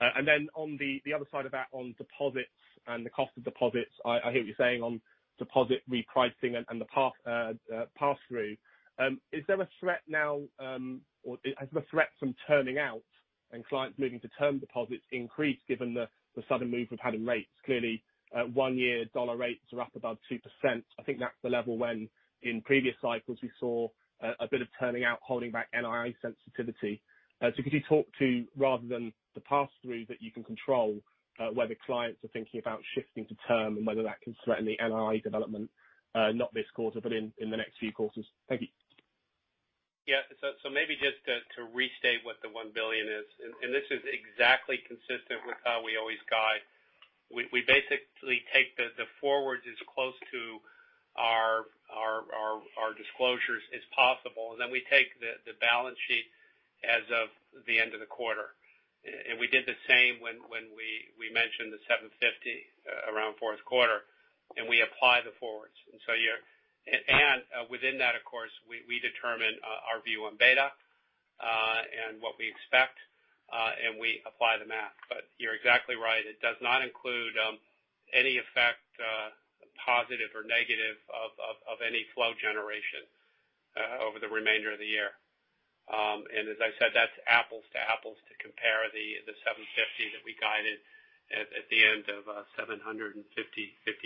On the other side of that, on deposits and the cost of deposits, I hear what you're saying on deposit repricing and the pass-through. Is there a threat now, or has the threat from turning out and clients moving to term deposits increased given the sudden move we've had in rates? Clearly, one-year dollar rates are up above 2%. I think that's the level when in previous cycles we saw a bit of turning out, holding back NII sensitivity. Could you talk to rather than the pass-through that you can control, whether clients are thinking about shifting to term and whether that can threaten the NII development, not this quarter, but in the next few quarters. Thank you. Maybe just to restate what the $1 billion is, and this is exactly consistent with how we always guide. We basically take the forwards as close to our disclosures as possible, and then we take the balance sheet as of the end of the quarter. We did the same when we mentioned the $750 million around fourth quarter, and we apply the forwards. Within that, of course, we determine our view on beta and what we expect and we apply the math. But you're exactly right. It does not include any effect, positive or negative of any flow generation over the remainder of the year. As I said, that's apples to apples to compare the $750 million that we guided at the end of $750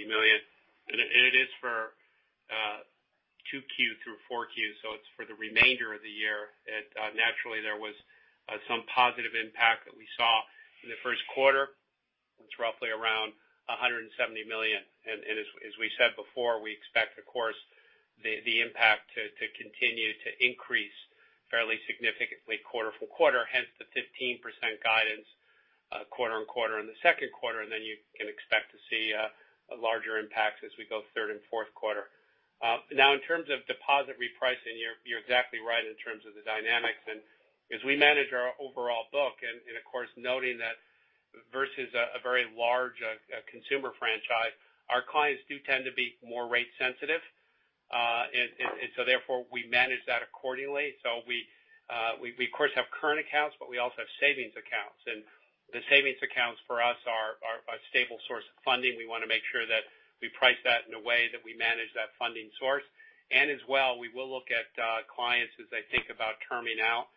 million. It is for 2Q through 4Q, so it's for the remainder of the year. Naturally there was some positive impact that we saw in the first quarter. It's roughly around $170 million. As we said before, we expect of course the impact to continue to increase fairly significantly quarter-from-quarter, hence the 15% guidance quarter-on-quarter in the second quarter. Then you can expect to see a larger impact as we go third and fourth quarter. Now in terms of deposit repricing, you're exactly right in terms of the dynamics. As we manage our overall book and of course noting that versus a very large consumer franchise, our clients do tend to be more rate sensitive. Therefore, we manage that accordingly. We of course have current accounts, but we also have savings accounts. The savings accounts for us are a stable source of funding. We wanna make sure that we price that in a way that we manage that funding source. As well, we will look at clients as they think about terming out,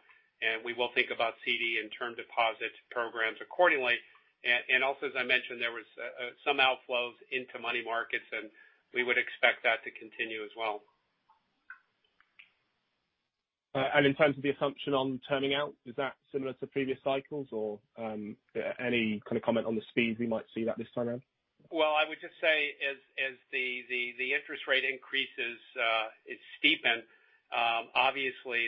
and we will think about CD and term deposit programs accordingly. As I mentioned, there was some outflows into money markets, and we would expect that to continue as well. In terms of the assumption on terming out, is that similar to previous cycles or any kind of comment on the speeds we might see that this time around? Well, I would just say as the interest rate increases, it's steepened, obviously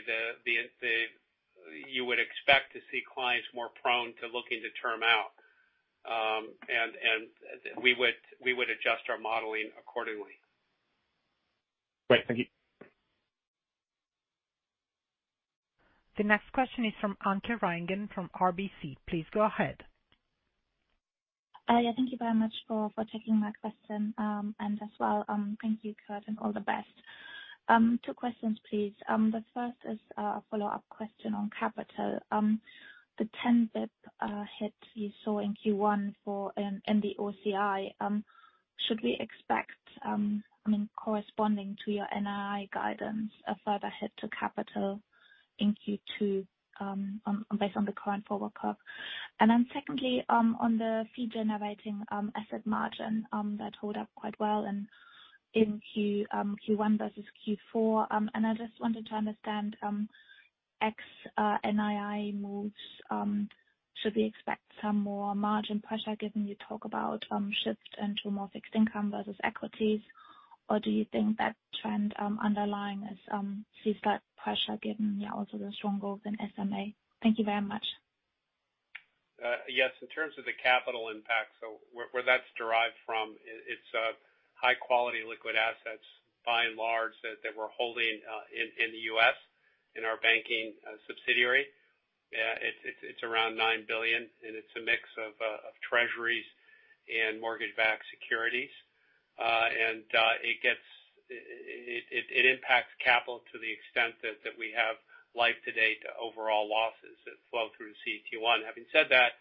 you would expect to see clients more prone to looking to term out. We would adjust our modeling accordingly. Great. Thank you. The next question is from Anke Reingen from RBC. Please go ahead. Yeah, thank you very much for taking my question. As well, thank you Kirt, and all the best. Two questions please. The first is a follow-up question on capital. The 10 basis points hit you saw in Q1 in the OCI, should we expect, I mean corresponding to your NII guidance, a further hit to capital in Q2 based on the current forward curve? Secondly, on the fee-generating asset margin that hold up quite well in Q1 versus Q4. I just wanted to understand ex-NII moves, should we expect some more margin pressure given you talk about shift into more fixed income versus equities? Do you think that the trend underlying is seeing that pressure given, yeah, also the strong growth in SMA? Thank you very much. Yes. In terms of the capital impact, where that's derived from it's high quality liquid assets by and large that we're holding in the U.S. in our banking subsidiary. It's around $9 billion and it's a mix of treasuries and mortgage-backed securities. It impacts capital to the extent that we have life to date overall losses that flow through the CET1. Having said that,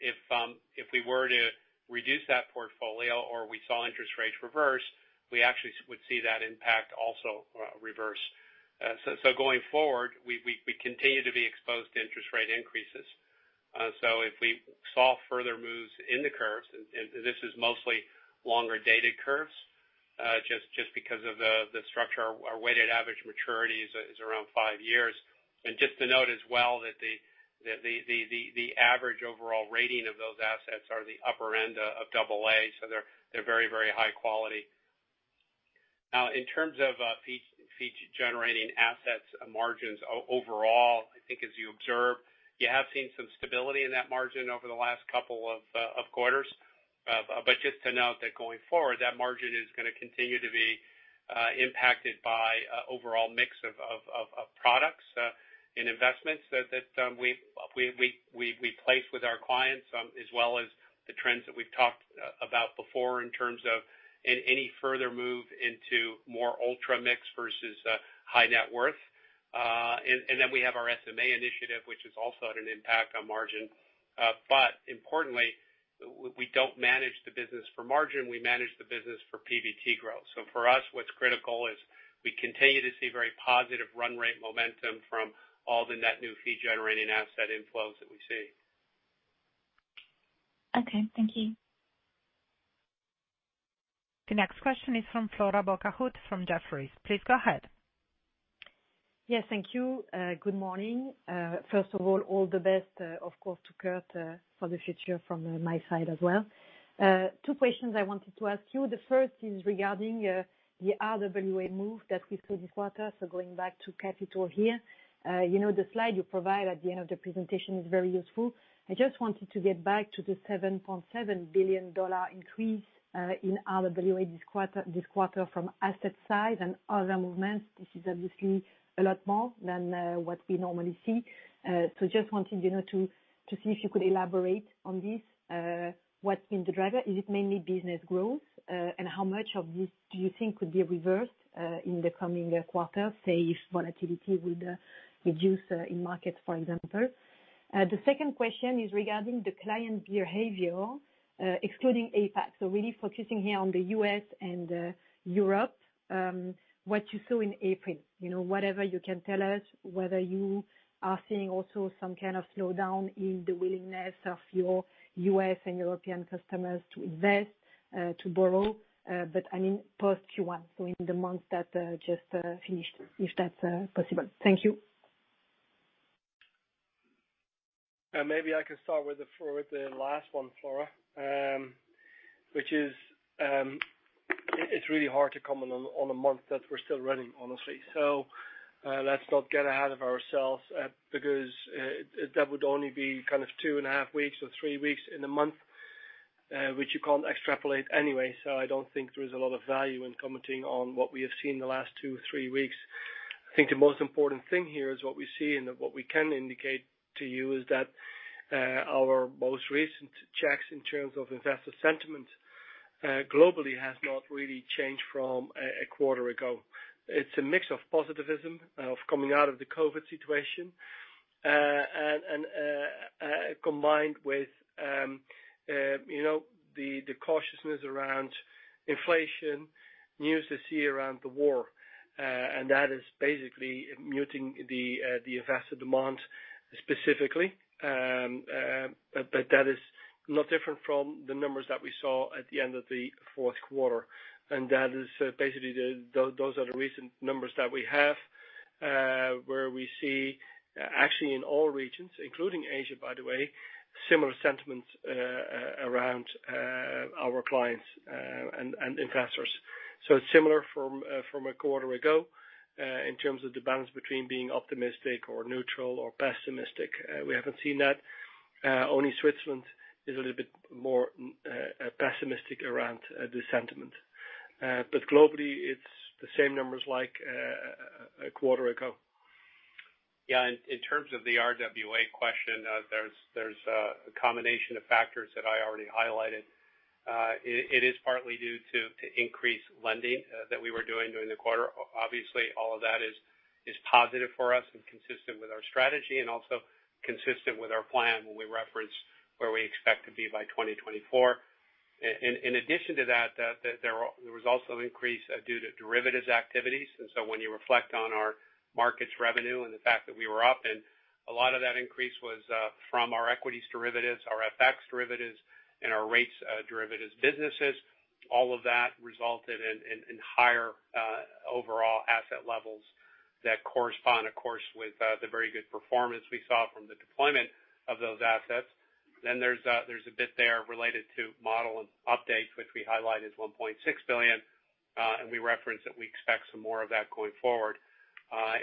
if we were to reduce that portfolio or we saw interest rates reverse, we actually would see that impact also reverse. Going forward, we continue to be exposed to interest rate increases. If we saw further moves in the curves, and this is mostly longer dated curves, just because of the structure. Our weighted average maturities is around five years. Just to note as well that the average overall rating of those assets are the upper end of AA. They're very high quality. Now in terms of fee-generating assets margins overall, I think as you observe, you have seen some stability in that margin over the last couple of quarters. Just to note that going forward, that margin is gonna continue to be impacted by overall mix of products and investments that we place with our clients, as well as the trends that we've talked about before in terms of any further move into more ultra mix versus high net worth. And then we have our SMA initiative, which is also having an impact on margin. Importantly, we don't manage the business for margin, we manage the business for PBT growth. For us, what's critical is we continue to see very positive run rate momentum from all the net new fee-generating asset inflows that we see. Okay. Thank you. The next question is from Flora Bocahut from Jefferies. Please go ahead. Yes, thank you. Good morning. First of all the best, of course to Kirt, for the future from my side as well. Two questions I wanted to ask you. The first is regarding the RWA move that we see this quarter. Going back to capital here. You know, the slide you provide at the end of the presentation is very useful. I just wanted to get back to the $7.7 billion increase in RWA this quarter from asset side and other movements. This is obviously a lot more than what we normally see. Just wanted, you know, to see if you could elaborate on this. What's been the driver? Is it mainly business growth? How much of this do you think could be reversed in the coming quarter, say if volatility will reduce in markets, for example? The second question is regarding the client behavior, excluding APAC. Really focusing here on the U.S. and Europe. What you saw in April, you know, whatever you can tell us, whether you are seeing also some kind of slowdown in the willingness of your U.S. and European customers to invest, to borrow. I mean post-Q1, so in the months that just finished, if that's possible. Thank you. Maybe I can start with the last one, Flora. Which is, it's really hard to comment on a month that we're still running, honestly. Let's not get ahead of ourselves, because that would only be kind of two and a half weeks or three weeks in a month, which you can't extrapolate anyway. I don't think there is a lot of value in commenting on what we have seen the last two, three weeks. I think the most important thing here is what we see and what we can indicate to you is that our most recent checks in terms of investor sentiment globally has not really changed from a quarter ago. It's a mix of positivism of coming out of the COVID situation and combined with, you know, the cautiousness around inflation, news this year around the war. That is basically muting the investor demand specifically. That is not different from the numbers that we saw at the end of the fourth quarter. That is basically, those are the recent numbers that we have, where we see actually in all regions, including Asia, by the way, similar sentiments around our clients and investors, similar from a quarter ago in terms of the balance between being optimistic or neutral or pessimistic. We haven't seen that. Only Switzerland is a little bit more pessimistic around the sentiment. Globally, it's the same numbers like a quarter ago. Yeah. In terms of the RWA question, there's a combination of factors that I already highlighted. It is partly due to increased lending that we were doing during the quarter. Obviously, all of that is positive for us and consistent with our strategy and also consistent with our plan when we reference where we expect to be by 2024. In addition to that, there was also an increase due to derivatives activities. When you reflect on our markets revenue and the fact that we were up, and a lot of that increase was from our equities derivatives, our FX derivatives, and our rates derivatives businesses, all of that resulted in higher overall asset levels that correspond, of course, with the very good performance we saw from the deployment of those assets. There's a bit there related to model and updates, which we highlight is $1.6 billion, and we reference that we expect some more of that going forward.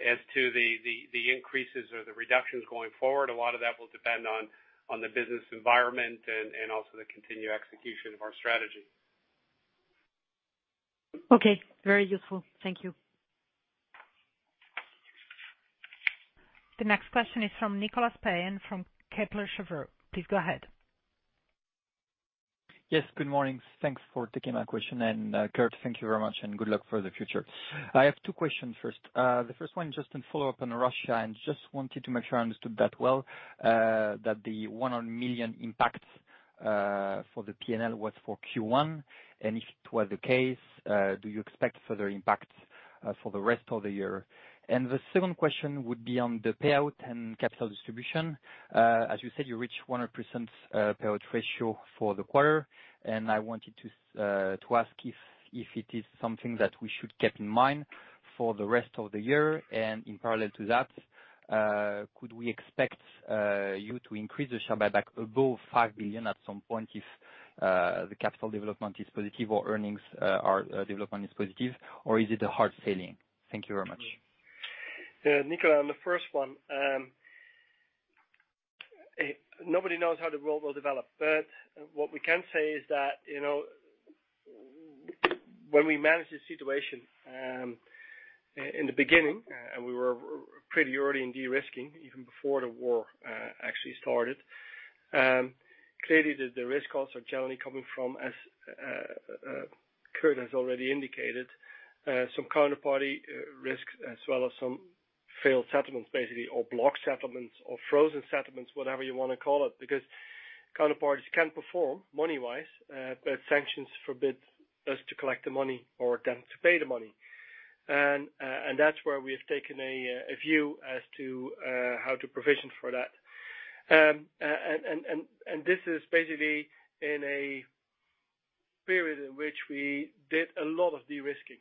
As to the increases or the reductions going forward, a lot of that will depend on the business environment and also the continued execution of our strategy. Okay, very useful. Thank you. The next question is from Nicolas Payen from Kepler Cheuvreux. Please go ahead. Yes, good morning. Thanks for taking my question. Kirt, thank you very much and good luck for the future. I have two questions first. The first one, just a follow-up on Russia, and just wanted to make sure I understood that well, that the $100 million impact for the P&L was for Q1. If it was the case, do you expect further impacts for the rest of the year? The second question would be on the payout and capital distribution. As you said, you reached 100% payout ratio for the quarter. I wanted to ask if it is something that we should keep in mind for the rest of the year. In parallel to that, could we expect you to increase the share buyback above $5 billion at some point if the capital development is positive or earnings or development is positive, or is it a hard ceiling? Thank you very much. Yeah, Nicolas, on the first one, nobody knows how the world will develop, but what we can say is that, you know, when we manage the situation, in the beginning, and we were pretty early in de-risking, even before the war actually started, clearly the risk costs are generally coming from, as Kirt has already indicated, some counterparty risks, as well as some failed settlements, basically, or blocked settlements or frozen settlements, whatever you want to call it, because counterparties can perform money-wise, but sanctions forbid us to collect the money or them to pay the money. That's where we have taken a view as to how to provision for that. This is basically in a period in which we did a lot of de-risking.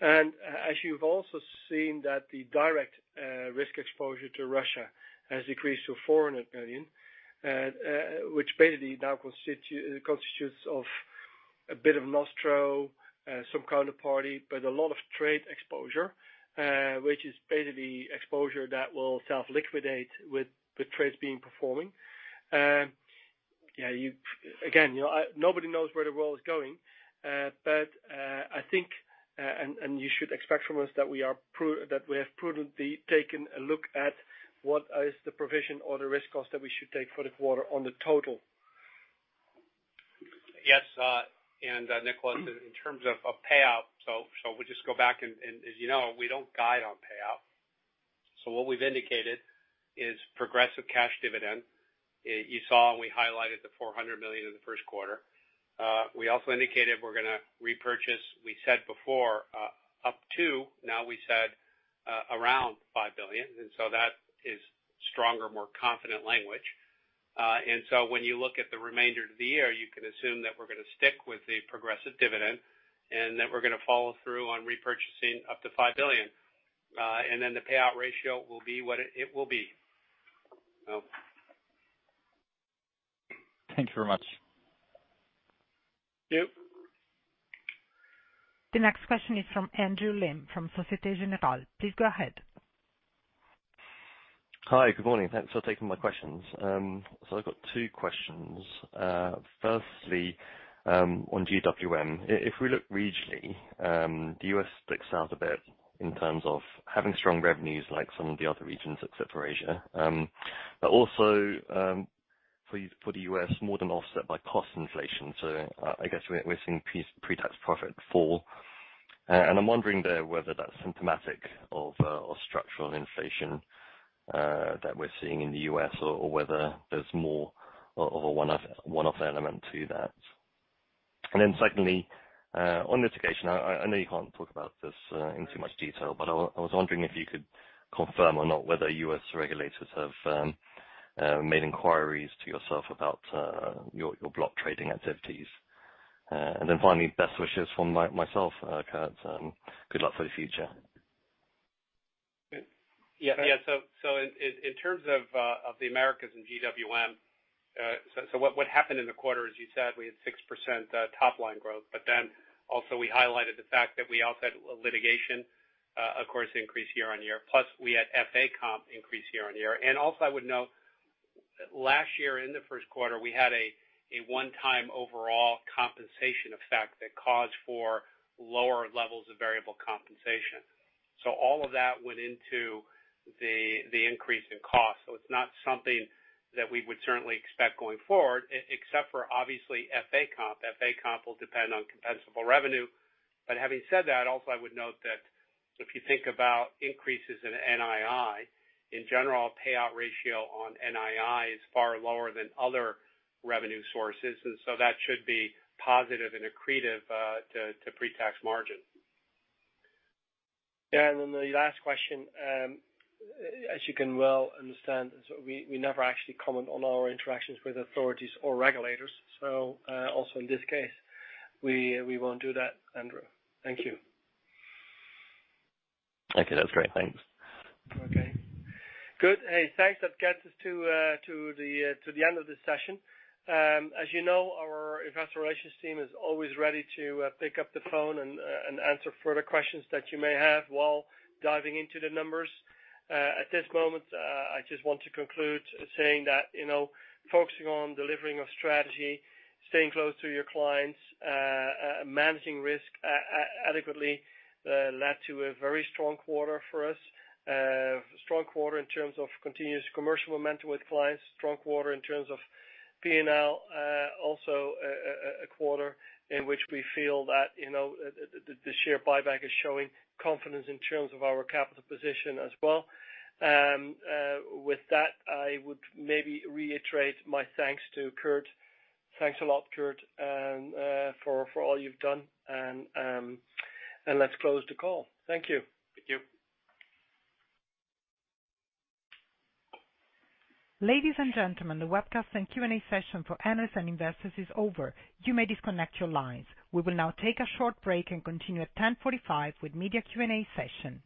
As you've also seen that the direct risk exposure to Russia has decreased to $400 million, which basically now consists of a bit of nostro, some counterparty, but a lot of trade exposure, which is basically exposure that will self-liquidate with trades being performing. Yeah, again, you know, nobody knows where the world is going. I think, and you should expect from us that we have prudently taken a look at what is the provision or the risk cost that we should take for the quarter on the total. Yes, Nicolas, in terms of payout, we just go back and, as you know, we don't guide on payout. What we've indicated is progressive cash dividend. You saw we highlighted the $400 million in the first quarter. We also indicated we're gonna repurchase; we said before up to; now we said around $5 billion. That is stronger, more confident language. When you look at the remainder of the year, you can assume that we're gonna stick with the progressive dividend, and that we're gonna follow through on repurchasing up to $5 billion. The payout ratio will be what it will be. Thank you very much. Thank you. The next question is from Andrew Lim from Société Générale. Please go ahead. Hi. Good morning. Thanks for taking my questions. I've got two questions. Firstly, on GWM. If we look regionally, the U.S. sticks out a bit in terms of having strong revenues like some of the other regions, except for Asia. But also, for the U.S., more than offset by cost inflation. I guess we're seeing pre-tax profit fall. I'm wondering there whether that's symptomatic of structural inflation that we're seeing in the U.S. or whether there's more of a one-off element to that. Secondly, on litigation. I know you can't talk about this in too much detail, but I was wondering if you could confirm or not whether U.S. regulators have made inquiries to yourself about your block trading activities. Finally, best wishes from myself, Kirt. Good luck for the future. Yeah. So in terms of the Americas and GWM, what happened in the quarter, as you said, we had 6% top line growth. Then also we highlighted the fact that we also had litigation, of course, increase year-on-year, plus we had FA comp increase year-on-year. Also, I would note last year in the first quarter, we had a one-time overall compensation effect that caused for lower levels of variable compensation. All of that went into the increase in cost. It's not something that we would certainly expect going forward except for obviously FA comp. FA comp will depend on compensable revenue. Having said that, also I would note that if you think about increases in NII, in general, payout ratio on NII is far lower than other revenue sources. That should be positive and accretive to pre-tax margin. Yeah, then the last question, as you can well understand, so we never actually comment on our interactions with authorities or regulators. Also in this case, we won't do that, Andrew. Thank you. Okay. That's great. Thanks. Okay, good. Hey, thanks. That gets us to the end of this session. As you know, our investor relations team is always ready to pick up the phone and answer further questions that you may have while diving into the numbers. At this moment, I just want to conclude saying that, you know, focusing on delivering our strategy, staying close to your clients, managing risk adequately, led to a very strong quarter for us. Strong quarter in terms of continuous commercial momentum with clients. Strong quarter in terms of P&L. Also a quarter in which we feel that, you know, the share buyback is showing confidence in terms of our capital position as well. With that, I would maybe reiterate my thanks to Kirt. Thanks a lot, Kirt, for all you've done. Let's close the call. Thank you. Thank you. Ladies and gentlemen, the webcast and Q&A session for analysts and investors is over. You may disconnect your lines. We will now take a short break and continue at 10:45 AM with media Q&A session.